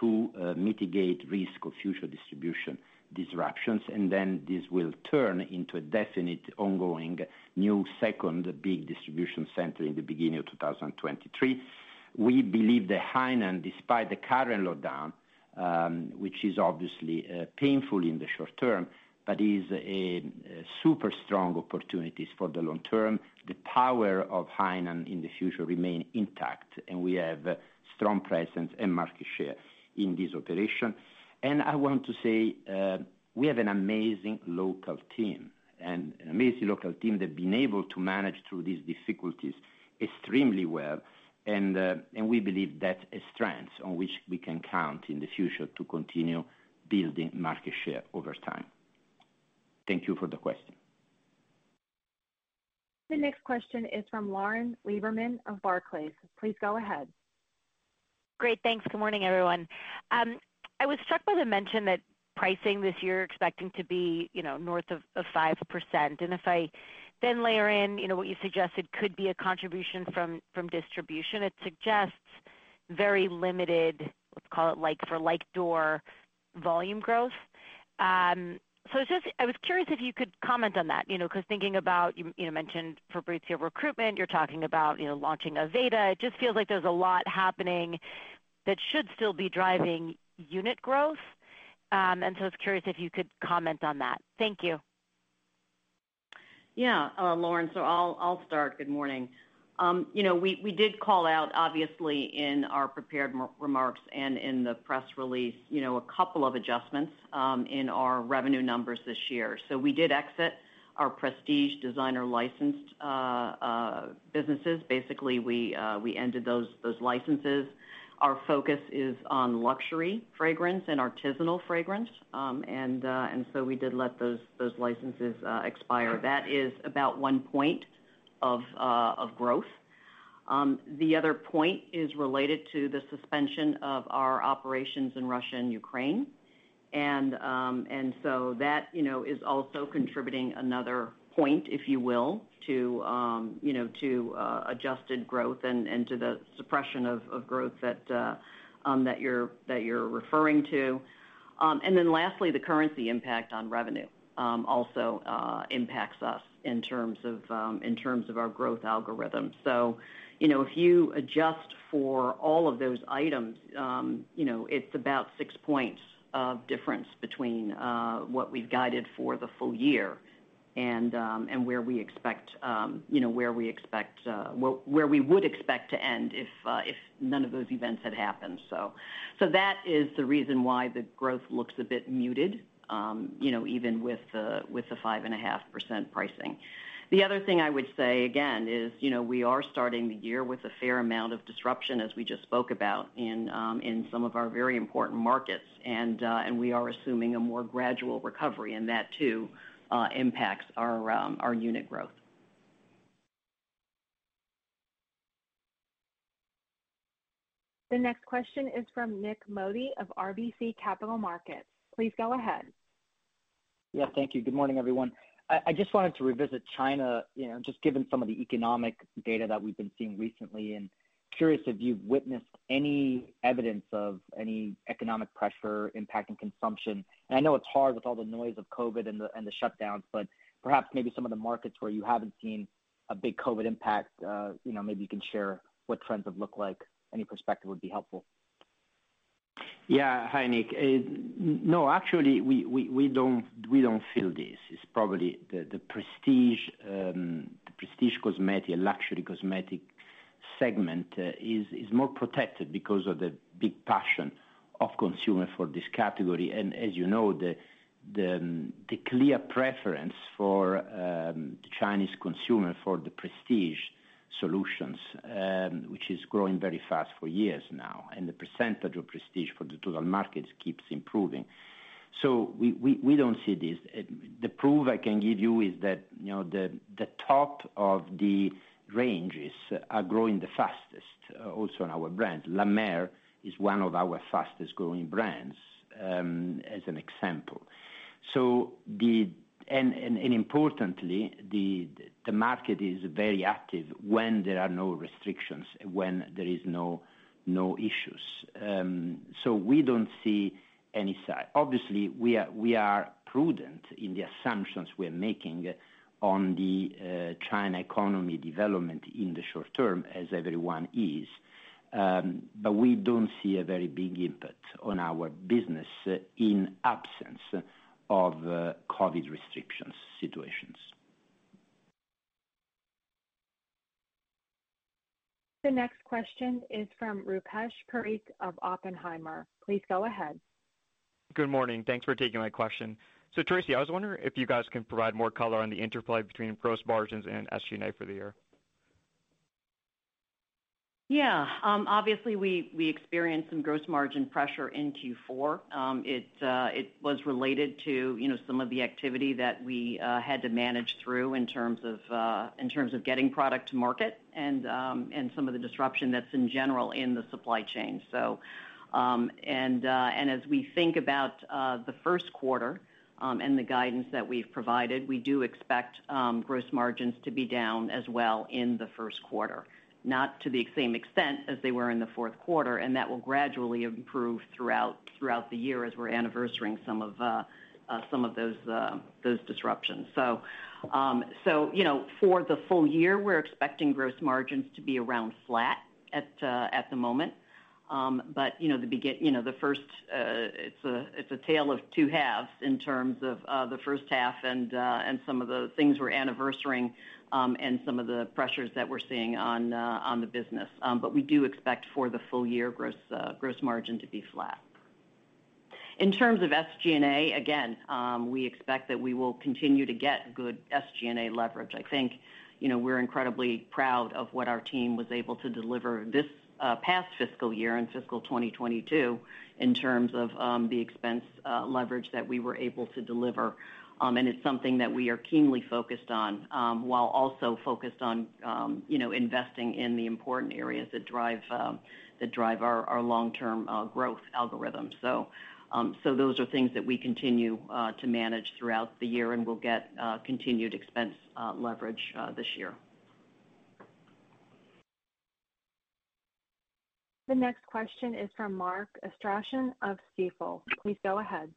to mitigate risk of future distribution disruptions, and then this will turn into a definite ongoing new second big distribution center in the beginning of 2023. We believe that Hainan, despite the current lockdown, which is obviously painful in the short term, but is a super strong opportunities for the long term, the power of Hainan in the future remain intact, and we have strong presence and market share in this operation. I want to say, we have an amazing local team that have been able to manage through these difficulties extremely well. We believe that's a strength on which we can count in the future to continue building market share over time. Thank you for the question. The next question is from Lauren Lieberman of Barclays. Please go ahead. Great. Thanks. Good morning, everyone. I was struck by the mention that pricing this year expecting to be, you know, north of 5%. If I then layer in, you know, what you suggested could be a contribution from distribution, it suggests very limited, let's call it like-for-like door volume growth. It's just, I was curious if you could comment on that, you know, 'cause thinking about, you know mentioned Fabrizio, you have recruitment, you're talking about, you know, launching Aveda. It just feels like there's a lot happening that should still be driving unit growth. I was curious if you could comment on that. Thank you. Yeah, Lauren. I'll start. Good morning. You know, we did call out obviously in our prepared remarks and in the press release, you know, a couple of adjustments in our revenue numbers this year. We did exit our prestige designer licensed businesses. Basically, we ended those licenses. Our focus is on luxury fragrance and artisanal fragrance. We did let those licenses expire. That is about one point of growth. The other point is related to the suspension of our operations in Russia and Ukraine. That is also contributing another point, if you will, to adjusted growth and to the suppression of growth that you're referring to. Lastly, the currency impact on revenue also impacts us in terms of our growth algorithm. You know, if you adjust for all of those items, you know, it's about six points of difference between what we've guided for the full year and where we would expect to end if none of those events had happened. That is the reason why the growth looks a bit muted, you know, even with the 5.5% pricing. The other thing I would say again is, you know, we are starting the year with a fair amount of disruption, as we just spoke about in some of our very important markets. We are assuming a more gradual recovery, and that too impacts our unit growth. The next question is from Nik Modi of RBC Capital Markets. Please go ahead. Yeah. Thank you. Good morning, everyone. I just wanted to revisit China, you know, just given some of the economic data that we've been seeing recently and curious if you've witnessed any evidence of any economic pressure impacting consumption. I know it's hard with all the noise of COVID and the shutdowns, but perhaps maybe some of the markets where you haven't seen a big COVID impact, you know, maybe you can share what trends have looked like. Any perspective would be helpful. Yeah. Hi, Nick. Actually, we don't feel this. It's probably the prestige cosmetic, luxury cosmetic segment is more protected because of the big passion of consumer for this category. As you know, the clear preference for the Chinese consumer for the prestige solutions, which is growing very fast for years now, and the percentage of prestige for the total markets keeps improving. We don't see this. The proof I can give you is that, you know, the top of the ranges are growing the fastest, also in our brand. La Mer is one of our fastest-growing brands, as an example. Importantly, the market is very active when there are no restrictions, when there is no issues. We don't see any sign. Obviously, we are prudent in the assumptions we're making on the China economy development in the short term as everyone is. We don't see a very big impact on our business in absence of COVID restrictions situations. The next question is from Rupesh Parikh of Oppenheimer. Please go ahead. Good morning. Thanks for taking my question. Tracey, I was wondering if you guys can provide more color on the interplay between gross margins and SG&A for the year. Yeah. Obviously we experienced some gross margin pressure in Q4. It was related to, you know, some of the activity that we had to manage through in terms of getting product to market and some of the disruption that's in general in the supply chain. As we think about the first quarter and the guidance that we've provided, we do expect gross margins to be down as well in the first quarter. Not to the same extent as they were in the fourth quarter, and that will gradually improve throughout the year as we're anniversarying some of those disruptions. You know, for the full year, we're expecting gross margins to be around flat at the moment. you know, the first, it's a tale of two halves in terms of, the first half and some of the things we're anniversarying, and some of the pressures that we're seeing on the business. We do expect for the full year gross margin to be flat. In terms of SG&A, again, we expect that we will continue to get good SG&A leverage. I think, you know, we're incredibly proud of what our team was able to deliver this past fiscal year in fiscal 2022 in terms of, the expense leverage that we were able to deliver. It's something that we are keenly focused on while also focused on, you know, investing in the important areas that drive our long-term growth algorithm. Those are things that we continue to manage throughout the year, and we'll get continued expense leverage this year. The next question is from Mark Astrachan of Stifel. Please go ahead.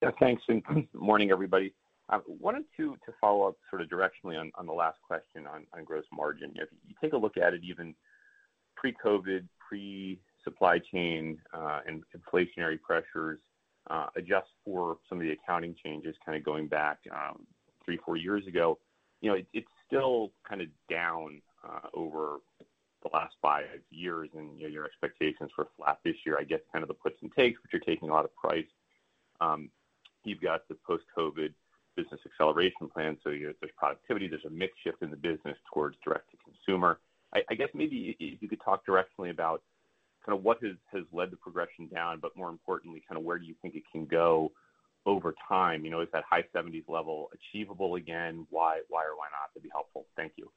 Yeah, thanks, morning, everybody. I wanted to follow up sort of directionally on the last question on gross margin. If you take a look at it, even pre-COVID, pre-supply chain, and inflationary pressures, adjust for some of the accounting changes kind of going back, three, four years ago, you know, it's still kind of down over the last five years and, you know, your expectations for flat this year. I guess kind of the puts and takes, which you're taking a lot of price. You've got the post-COVID business acceleration plan. You know, there's productivity, there's a mix shift in the business towards direct to consumer. I guess maybe if you could talk directly about kind of what has led the progression down, but more importantly, kind of where do you think it can go over time? You know, is that high seventies level achievable again? Why, why or why not? That'd be helpful. Thank you.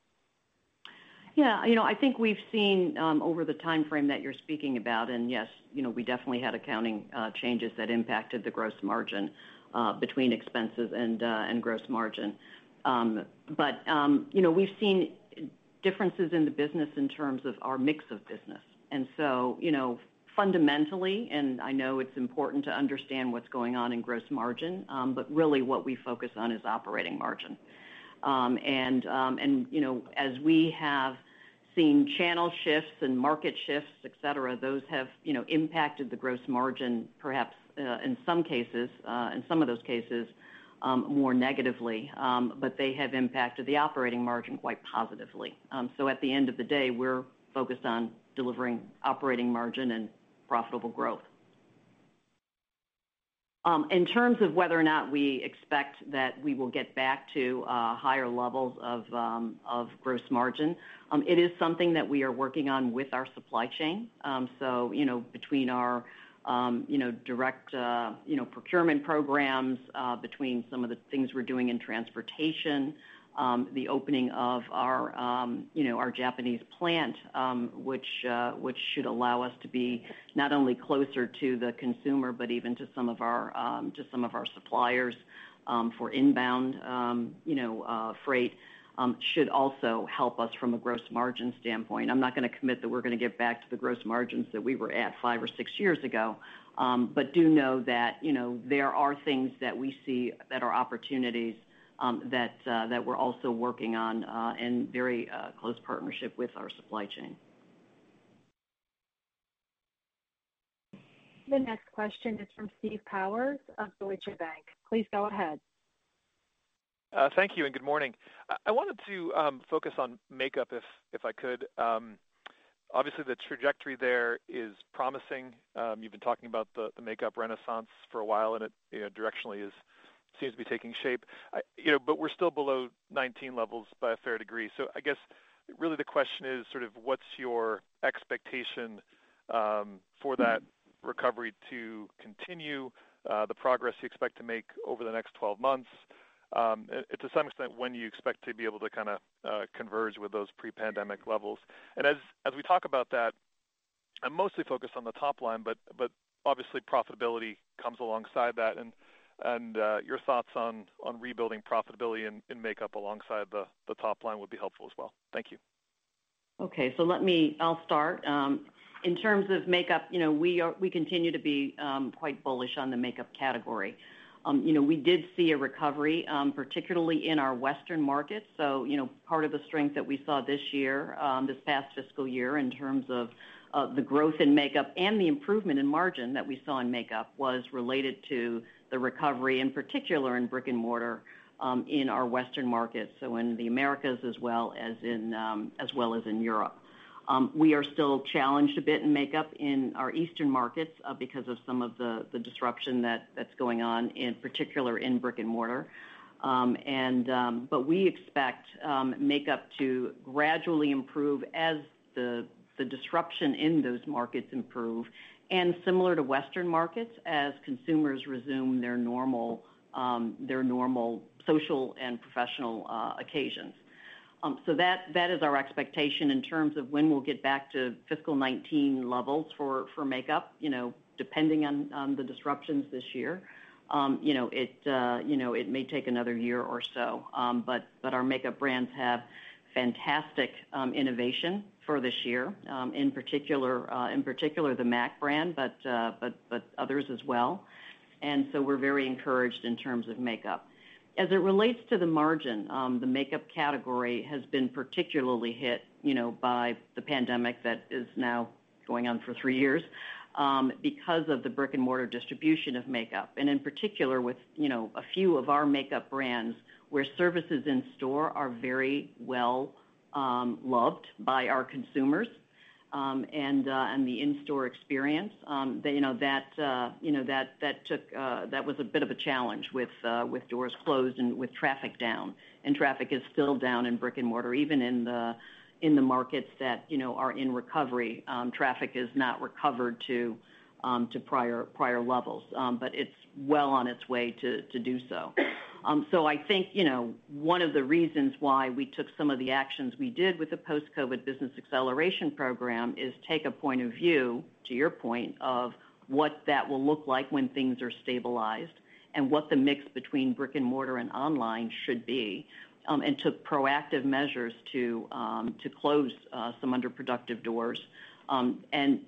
Yeah. You know, I think we've seen over the timeframe that you're speaking about, and yes, you know, we definitely had accounting changes that impacted the gross margin between expenses and gross margin. You know, we've seen differences in the business in terms of our mix of business. You know, fundamentally, and I know it's important to understand what's going on in gross margin, but really what we focus on is operating margin. You know, as we have seen channel shifts and market shifts, et cetera, those have you know, impacted the gross margin, perhaps in some cases, in some of those cases more negatively. But they have impacted the operating margin quite positively. At the end of the day, we're focused on delivering operating margin and profitable growth. In terms of whether or not we expect that we will get back to higher levels of gross margin, it is something that we are working on with our supply chain. So, you know, between our direct procurement programs, between some of the things we're doing in transportation, the opening of our Japanese plant, which should allow us to be not only closer to the consumer, but even to some of our suppliers for inbound freight, should also help us from a gross margin standpoint. I'm not gonna commit that we're gonna get back to the gross margins that we were at five or six years ago, but do know that, you know, there are things that we see that are opportunities, that we're also working on, in very close partnership with our supply chain. The next question is from Steve Powers of Deutsche Bank. Please go ahead. Thank you, and good morning. I wanted to focus on makeup if I could. Obviously the trajectory there is promising. You've been talking about the makeup renaissance for a while, and it, you know, directionally seems to be taking shape. You know, but we're still below 19 levels by a fair degree. I guess really the question is sort of what's your expectation for that recovery to continue, the progress you expect to make over the next 12 months, and to some extent, when do you expect to be able to kinda converge with those pre-pandemic levels? As we talk about that, I'm mostly focused on the top line, but obviously profitability comes alongside that and your thoughts on rebuilding profitability in makeup alongside the top line would be helpful as well. Thank you. In terms of makeup, you know, we are, we continue to be, quite bullish on the makeup category. You know, we did see a recovery, particularly in our Western markets. You know, part of the strength that we saw this year, this past fiscal year in terms of the growth in makeup and the improvement in margin that we saw in makeup was related to the recovery, in particular in brick-and-mortar, in our Western markets, so in the Americas as well as in Europe. We are still challenged a bit in makeup in our Eastern markets, because of some of the disruption that's going on, in particular in brick-and-mortar. We expect makeup to gradually improve as the disruption in those markets improve, and similar to Western markets, as consumers resume their normal social and professional occasions. That is our expectation in terms of when we'll get back to fiscal 2019 levels for makeup, you know, depending on the disruptions this year. You know, it may take another year or so, but our makeup brands have fantastic innovation for this year, in particular the M·A·C brand, but others as well. We're very encouraged in terms of makeup. As it relates to the margin, the makeup category has been particularly hit, you know, by the pandemic that is now going on for three years because of the brick-and-mortar distribution of makeup. In particular, with you know, a few of our makeup brands where services in store are very well loved by our consumers, and the in-store experience, you know, that was a bit of a challenge with doors closed and with traffic down. Traffic is still down in brick-and-mortar, even in the markets that, you know, are in recovery, traffic is not recovered to prior levels. But it's well on its way to do so. I think, you know, one of the reasons why we took some of the actions we did with the Post-COVID Business Acceleration Program is take a point of view, to your point, of what that will look like when things are stabilized and what the mix between brick-and-mortar and online should be, and took proactive measures to close some underproductive doors.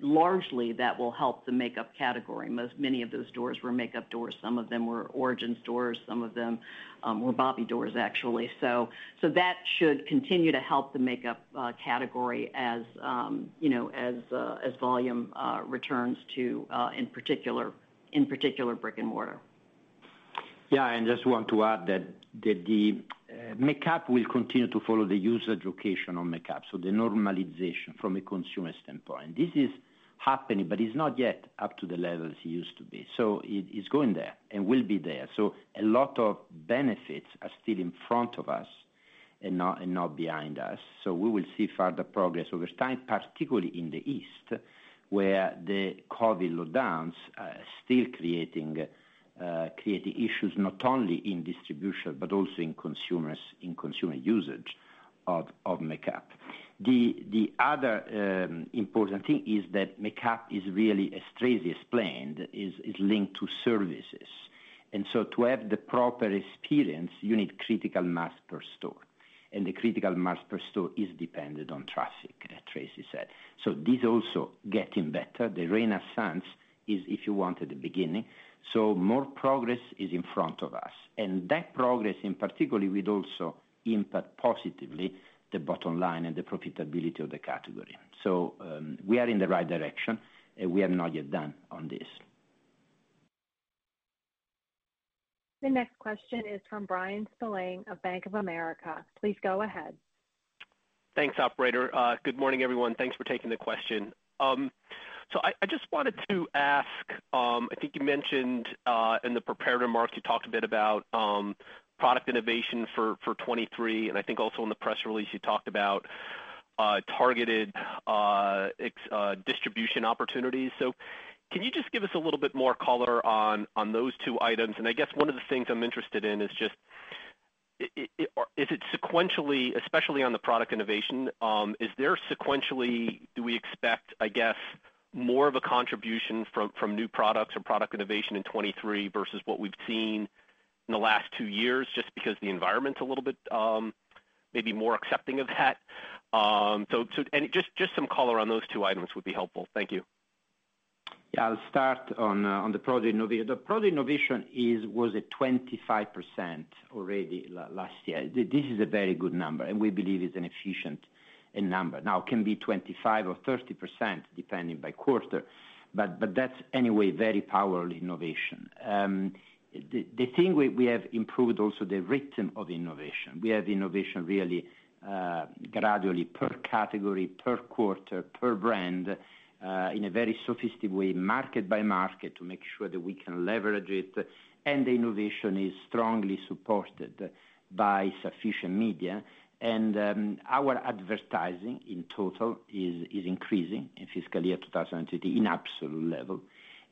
Largely, that will help the makeup category. Many of those doors were makeup doors, some of them were Origins doors, some of them were Bobbi Brown doors, actually. That should continue to help the makeup category as, you know, as volume returns to, in particular, brick-and-mortar. Yeah. Just want to add that the makeup will continue to follow the user education on makeup, so the normalization from a consumer standpoint. This is happening, but it's not yet up to the levels it used to be. It is going there and will be there. A lot of benefits are still in front of us and not behind us. We will see further progress over time, particularly in the East, where the COVID lockdowns are still creating issues not only in distribution but also in consumer usage of makeup. The other important thing is that makeup is really, as Tracey explained, linked to services. To have the proper experience, you need critical mass per store. The critical mass per store is dependent on traffic, as Tracey said. This also getting better. The renaissance is, if you want, at the beginning. More progress is in front of us. That progress, in particular, will also impact positively the bottom line and the profitability of the category. We are in the right direction, and we are not yet done on this. The next question is from Bryan Spillane of Bank of America. Please go ahead. Thanks, operator. Good morning, everyone. Thanks for taking the question. I just wanted to ask. I think you mentioned in the prepared remarks, you talked a bit about product innovation for 2023, and I think also in the press release you talked about targeted expanded distribution opportunities. Can you just give us a little bit more color on those two items? I guess one of the things I'm interested in is just YoY or is it sequentially, especially on the product innovation. Is there sequentially do we expect more of a contribution from new products or product innovation in 2023 versus what we've seen in the last two years just because the environment's a little bit maybe more accepting of that? Any, just some color on those two items would be helpful. Thank you. Yeah. I'll start on the product innovation. The product innovation was at 25% already last year. This is a very good number, and we believe it's an efficient number. Now, it can be 25% or 30%, depending by quarter, but that's anyway very powerful innovation. The thing we have improved also the rhythm of innovation. We have innovation really gradually per category, per quarter, per brand in a very sophisticated way, market by market, to make sure that we can leverage it. The innovation is strongly supported by sufficient media. Our advertising in total is increasing in fiscal year 2020 in absolute level.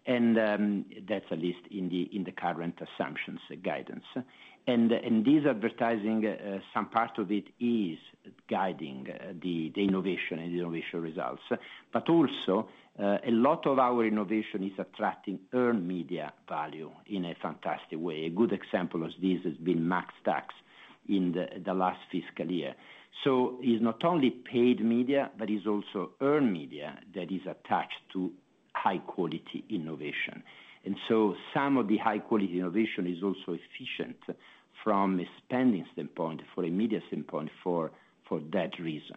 That's at least in the current assumptions guidance. This advertising, some part of it is guiding the innovation and the innovation results. Also, a lot of our innovation is attracting earned media value in a fantastic way. A good example of this has been MAC Stax in the last fiscal year. It's not only paid media, but it's also earned media that is attached to high quality innovation. Some of the high quality innovation is also efficient from a spending standpoint, for a media standpoint for that reason.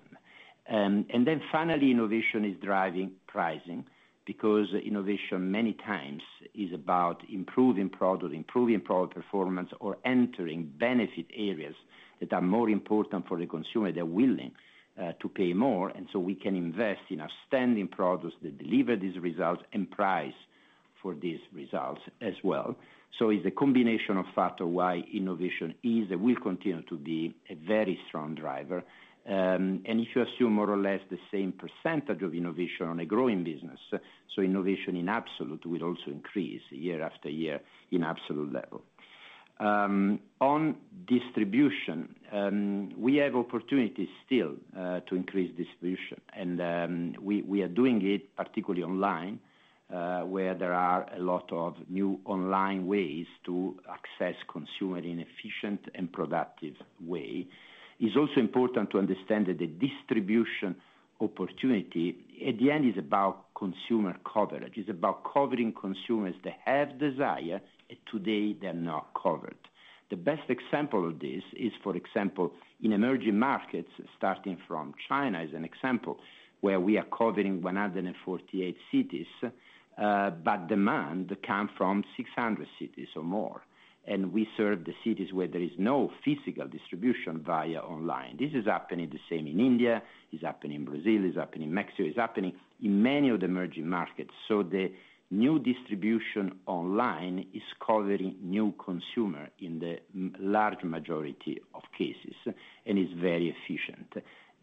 Finally, innovation is driving pricing because innovation many times is about improving product performance, or entering benefit areas that are more important for the consumer. They're willing to pay more, and we can invest in outstanding products that deliver these results and price for these results as well. It's a combination of factors why innovation is, and will continue to be, a very strong driver. If you assume more or less the same percentage of innovation on a growing business, innovation in absolute will also increase year after year in absolute level. On distribution, we have opportunities still to increase distribution. We are doing it particularly online, where there are a lot of new online ways to access consumers in an efficient and productive way. It's also important to understand that the distribution opportunity at the end is about consumer coverage. It's about covering consumers that have desire; today they're not covered. The best example of this is, for example, in emerging markets, starting from China as an example, where we are covering 148 cities, but demand comes from 600 cities or more. We serve the cities where there is no physical distribution via online. This is happening the same in India, it's happening in Brazil, it's happening in Mexico, it's happening in many of the emerging markets. The new distribution online is covering new consumer in the large majority of cases, and it's very efficient.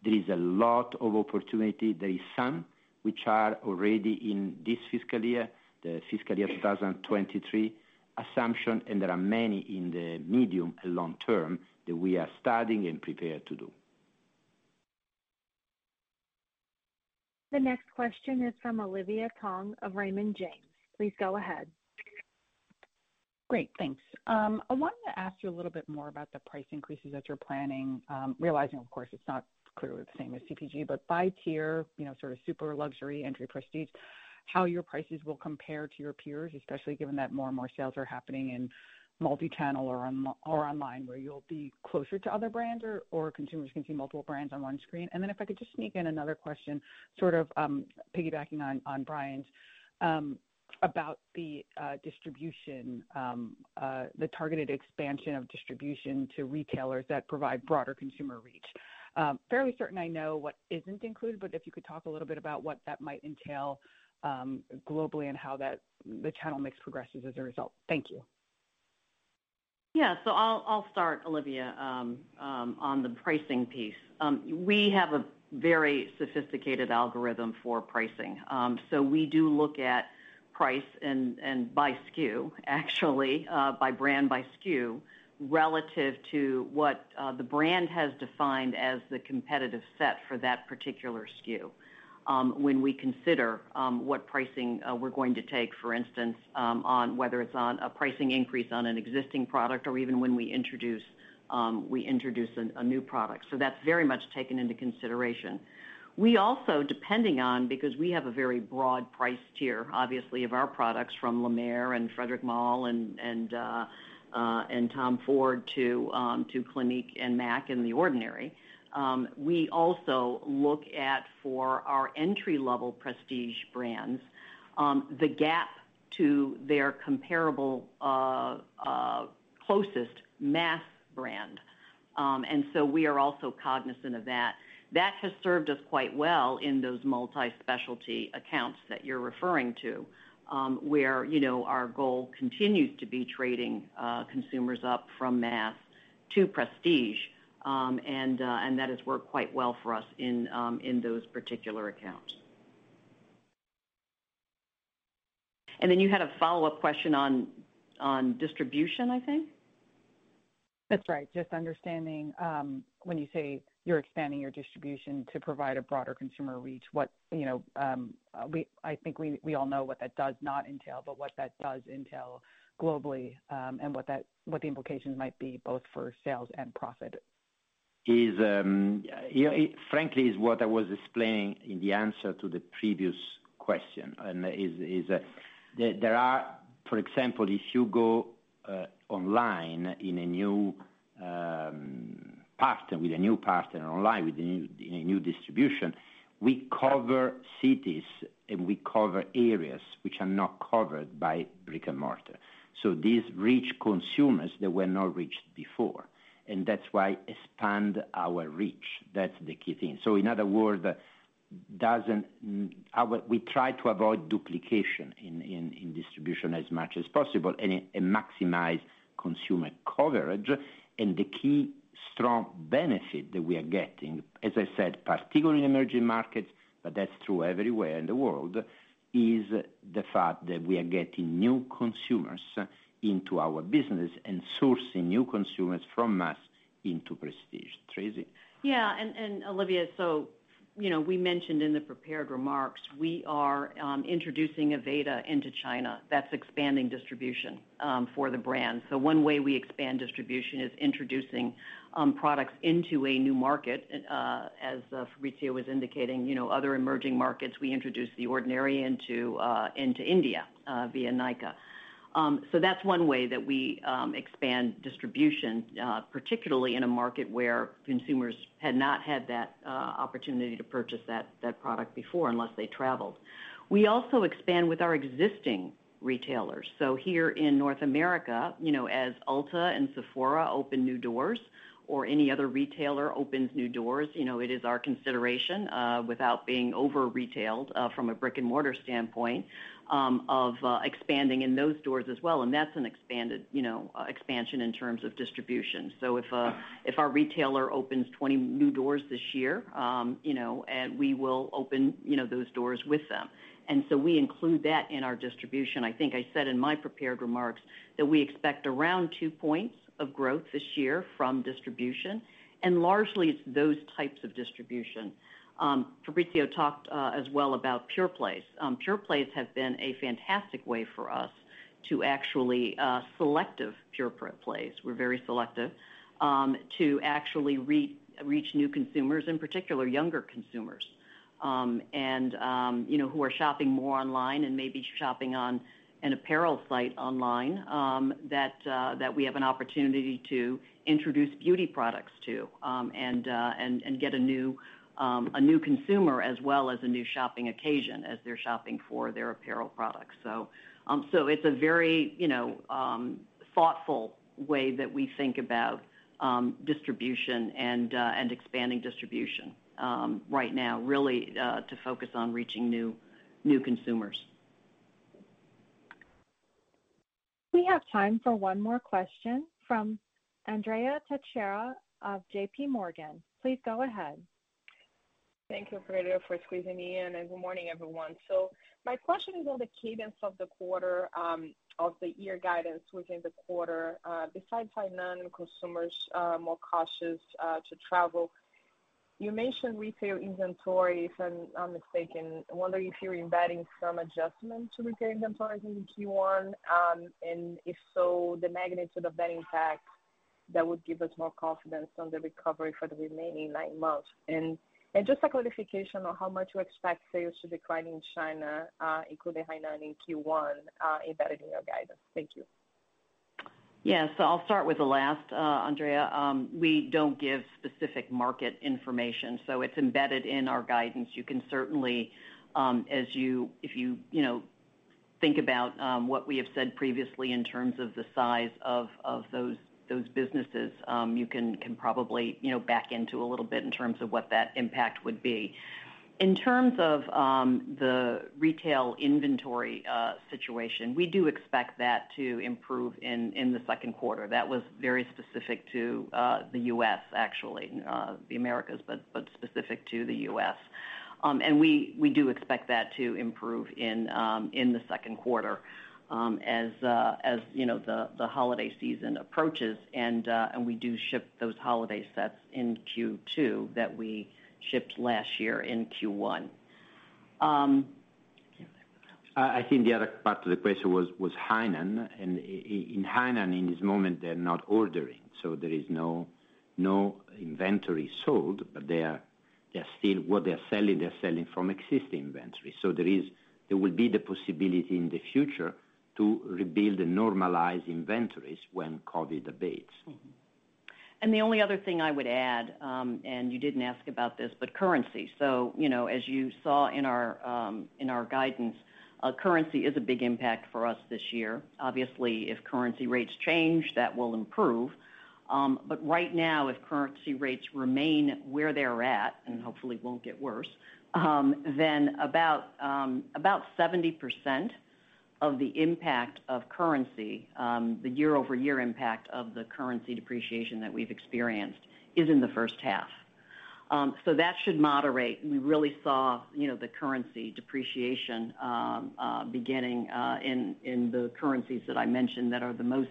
There is a lot of opportunity. There is some which are already in this fiscal year, the fiscal year 2023 assumption, and there are many in the medium and long term that we are studying and prepared to do. The next question is from Olivia Tong of Raymond James. Please go ahead. Great. Thanks. I wanted to ask you a little bit more about the price increases that you're planning, realizing of course it's not clearly the same as CPG, but by tier, you know, sort of super luxury entry prestige, how your prices will compare to your peers, especially given that more and more sales are happening in multi-channel or online, where you'll be closer to other brands or consumers can see multiple brands on one screen. If I could just sneak in another question, sort of, piggybacking on Bryan's about the distribution, the targeted expansion of distribution to retailers that provide broader consumer reach. Fairly certain I know what isn't included, but if you could talk a little bit about what that might entail, globally and how that, the channel mix progresses as a result. Thank you. Yeah. I'll start, Olivia, on the pricing piece. We have a very sophisticated algorithm for pricing. We do look at price and by SKU actually, by brand, by SKU, relative to what the brand has defined as the competitive set for that particular SKU, when we consider what pricing we're going to take, for instance, on whether it's on a pricing increase on an existing product or even when we introduce a new product. That's very much taken into consideration. We also, depending on, because we have a very broad price tier, obviously of our products from La Mer and Frédéric Fekkai and Tom Ford to Clinique and M·A·C and The Ordinary, we also look at for our entry-level prestige brands, the gap to their comparable, closest mass brand. We are also cognizant of that. That has served us quite well in those multi-specialty accounts that you're referring to, where, you know, our goal continues to be trading consumers up from mass to prestige. That has worked quite well for us in those particular accounts. Then you had a follow-up question on distribution, I think? That's right. Just understanding, when you say you're expanding your distribution to provide a broader consumer reach, what, you know, I think we all know what that does not entail, but what that does entail globally, and what the implications might be both for sales and profit. You know, frankly what I was explaining in the answer to the previous question. There are, for example, if you go online with a new partner, with a new partner online, with a new distribution, we cover cities and we cover areas which are not covered by brick-and-mortar. These reach consumers that were not reached before, and that's why expand our reach. That's the key thing. In other words, we try to avoid duplication in distribution as much as possible and maximize consumer coverage. The key strong benefit that we are getting, as I said, particularly in emerging markets, but that's true everywhere in the world, is the fact that we are getting new consumers into our business and sourcing new consumers from mass into prestige. Tracey? Olivia, you know, we mentioned in the prepared remarks, we are introducing Aveda into China. That's expanding distribution for the brand. One way we expand distribution is introducing products into a new market, as Fabrizio was indicating, you know, other emerging markets, we introduced The Ordinary into India via Nykaa. That's one way that we expand distribution, particularly in a market where consumers had not had that opportunity to purchase that product before unless they traveled. We also expand with our existing retailers. Here in North America, you know, as Ulta Beauty and Sephora open new doors or any other retailer opens new doors, you know, it is our consideration, without being over-retailed, from a brick-and-mortar standpoint, of expanding in those doors as well, and that's an expanded, you know, expansion in terms of distribution. If our retailer opens 20 new doors this year, you know, and we will open, you know, those doors with them. We include that in our distribution. I think I said in my prepared remarks that we expect around two points of growth this year from distribution, and largely it's those types of distribution. Fabrizio talked as well about pure plays. Pure plays have been a fantastic way for us to actually selective pure plays. We're very selective to actually reach new consumers, in particular, younger consumers, and you know, who are shopping more online and maybe shopping on an apparel site online that we have an opportunity to introduce beauty products to, and get a new consumer as well as a new shopping occasion as they're shopping for their apparel products. It's a very you know thoughtful way that we think about distribution and expanding distribution right now, really to focus on reaching new consumers. We have time for one more question from Andrea Teixeira of JP Morgan. Please go ahead. Thank you, operator, for squeezing me in, and good morning, everyone. My question is on the cadence of the quarter, of the year guidance within the quarter, besides Hainan consumers are more cautious to travel. You mentioned retail inventories, or if I'm mistaken, I wonder if you're embedding some adjustment to retail inventories in Q1, and if so, the magnitude of that impact that would give us more confidence on the recovery for the remaining nine months. Just a clarification on how much you expect sales to decline in China, including Hainan in Q1, embedded in your guidance. Thank you. Yes. I'll start with the last, Andrea. We don't give specific market information, so it's embedded in our guidance. You can certainly, if you know, think about what we have said previously in terms of the size of those businesses, you can probably, you know, back into a little bit in terms of what that impact would be. In terms of the retail inventory situation, we do expect that to improve in the second quarter. That was very specific to the U.S., actually, the Americas, but specific to the U.S. We do expect that to improve in the second quarter, as you know, the holiday season approaches and we do ship those holiday sets in Q2 that we shipped last year in Q1. I think the other part of the question was Hainan. In Hainan, in this moment, they're not ordering, so there is no inventory sold, but what they are selling, they're selling from existing inventory. There will be the possibility in the future to rebuild and normalize inventories when COVID abates. The only other thing I would add, and you didn't ask about this, but currency. So, you know, as you saw in our guidance, currency is a big impact for us this year. Obviously, if currency rates change, that will improve. But right now, if currency rates remain where they're at, and hopefully won't get worse, then about 70% of the impact of currency, the YoY impact of the currency depreciation that we've experienced is in the first half. So that should moderate. We really saw, you know, the currency depreciation, beginning in the currencies that I mentioned that are the most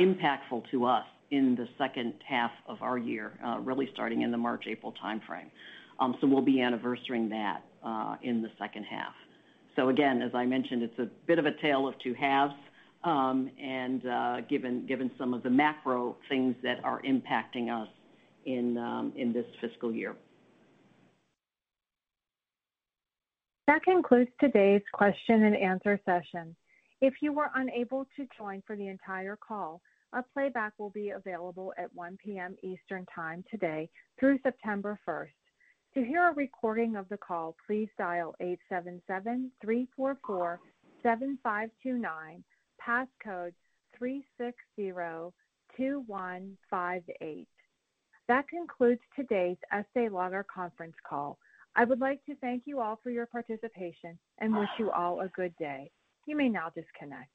impactful to us in the second half of our year, really starting in the March-April timeframe. So we'll be anniversarying that, in the second half. Again, as I mentioned, it's a bit of a tale of two halves, and given some of the macro things that are impacting us in this fiscal year. That concludes today's question-and-answer session. If you were unable to join for the entire call, a playback will be available at 1:00 P.M. Eastern Time today through September first. To hear a recording of the call, please dial 877-344-7529, passcode 3602158. That concludes today's Estée Lauder conference call. I would like to thank you all for your participation and wish you all a good day. You may now disconnect.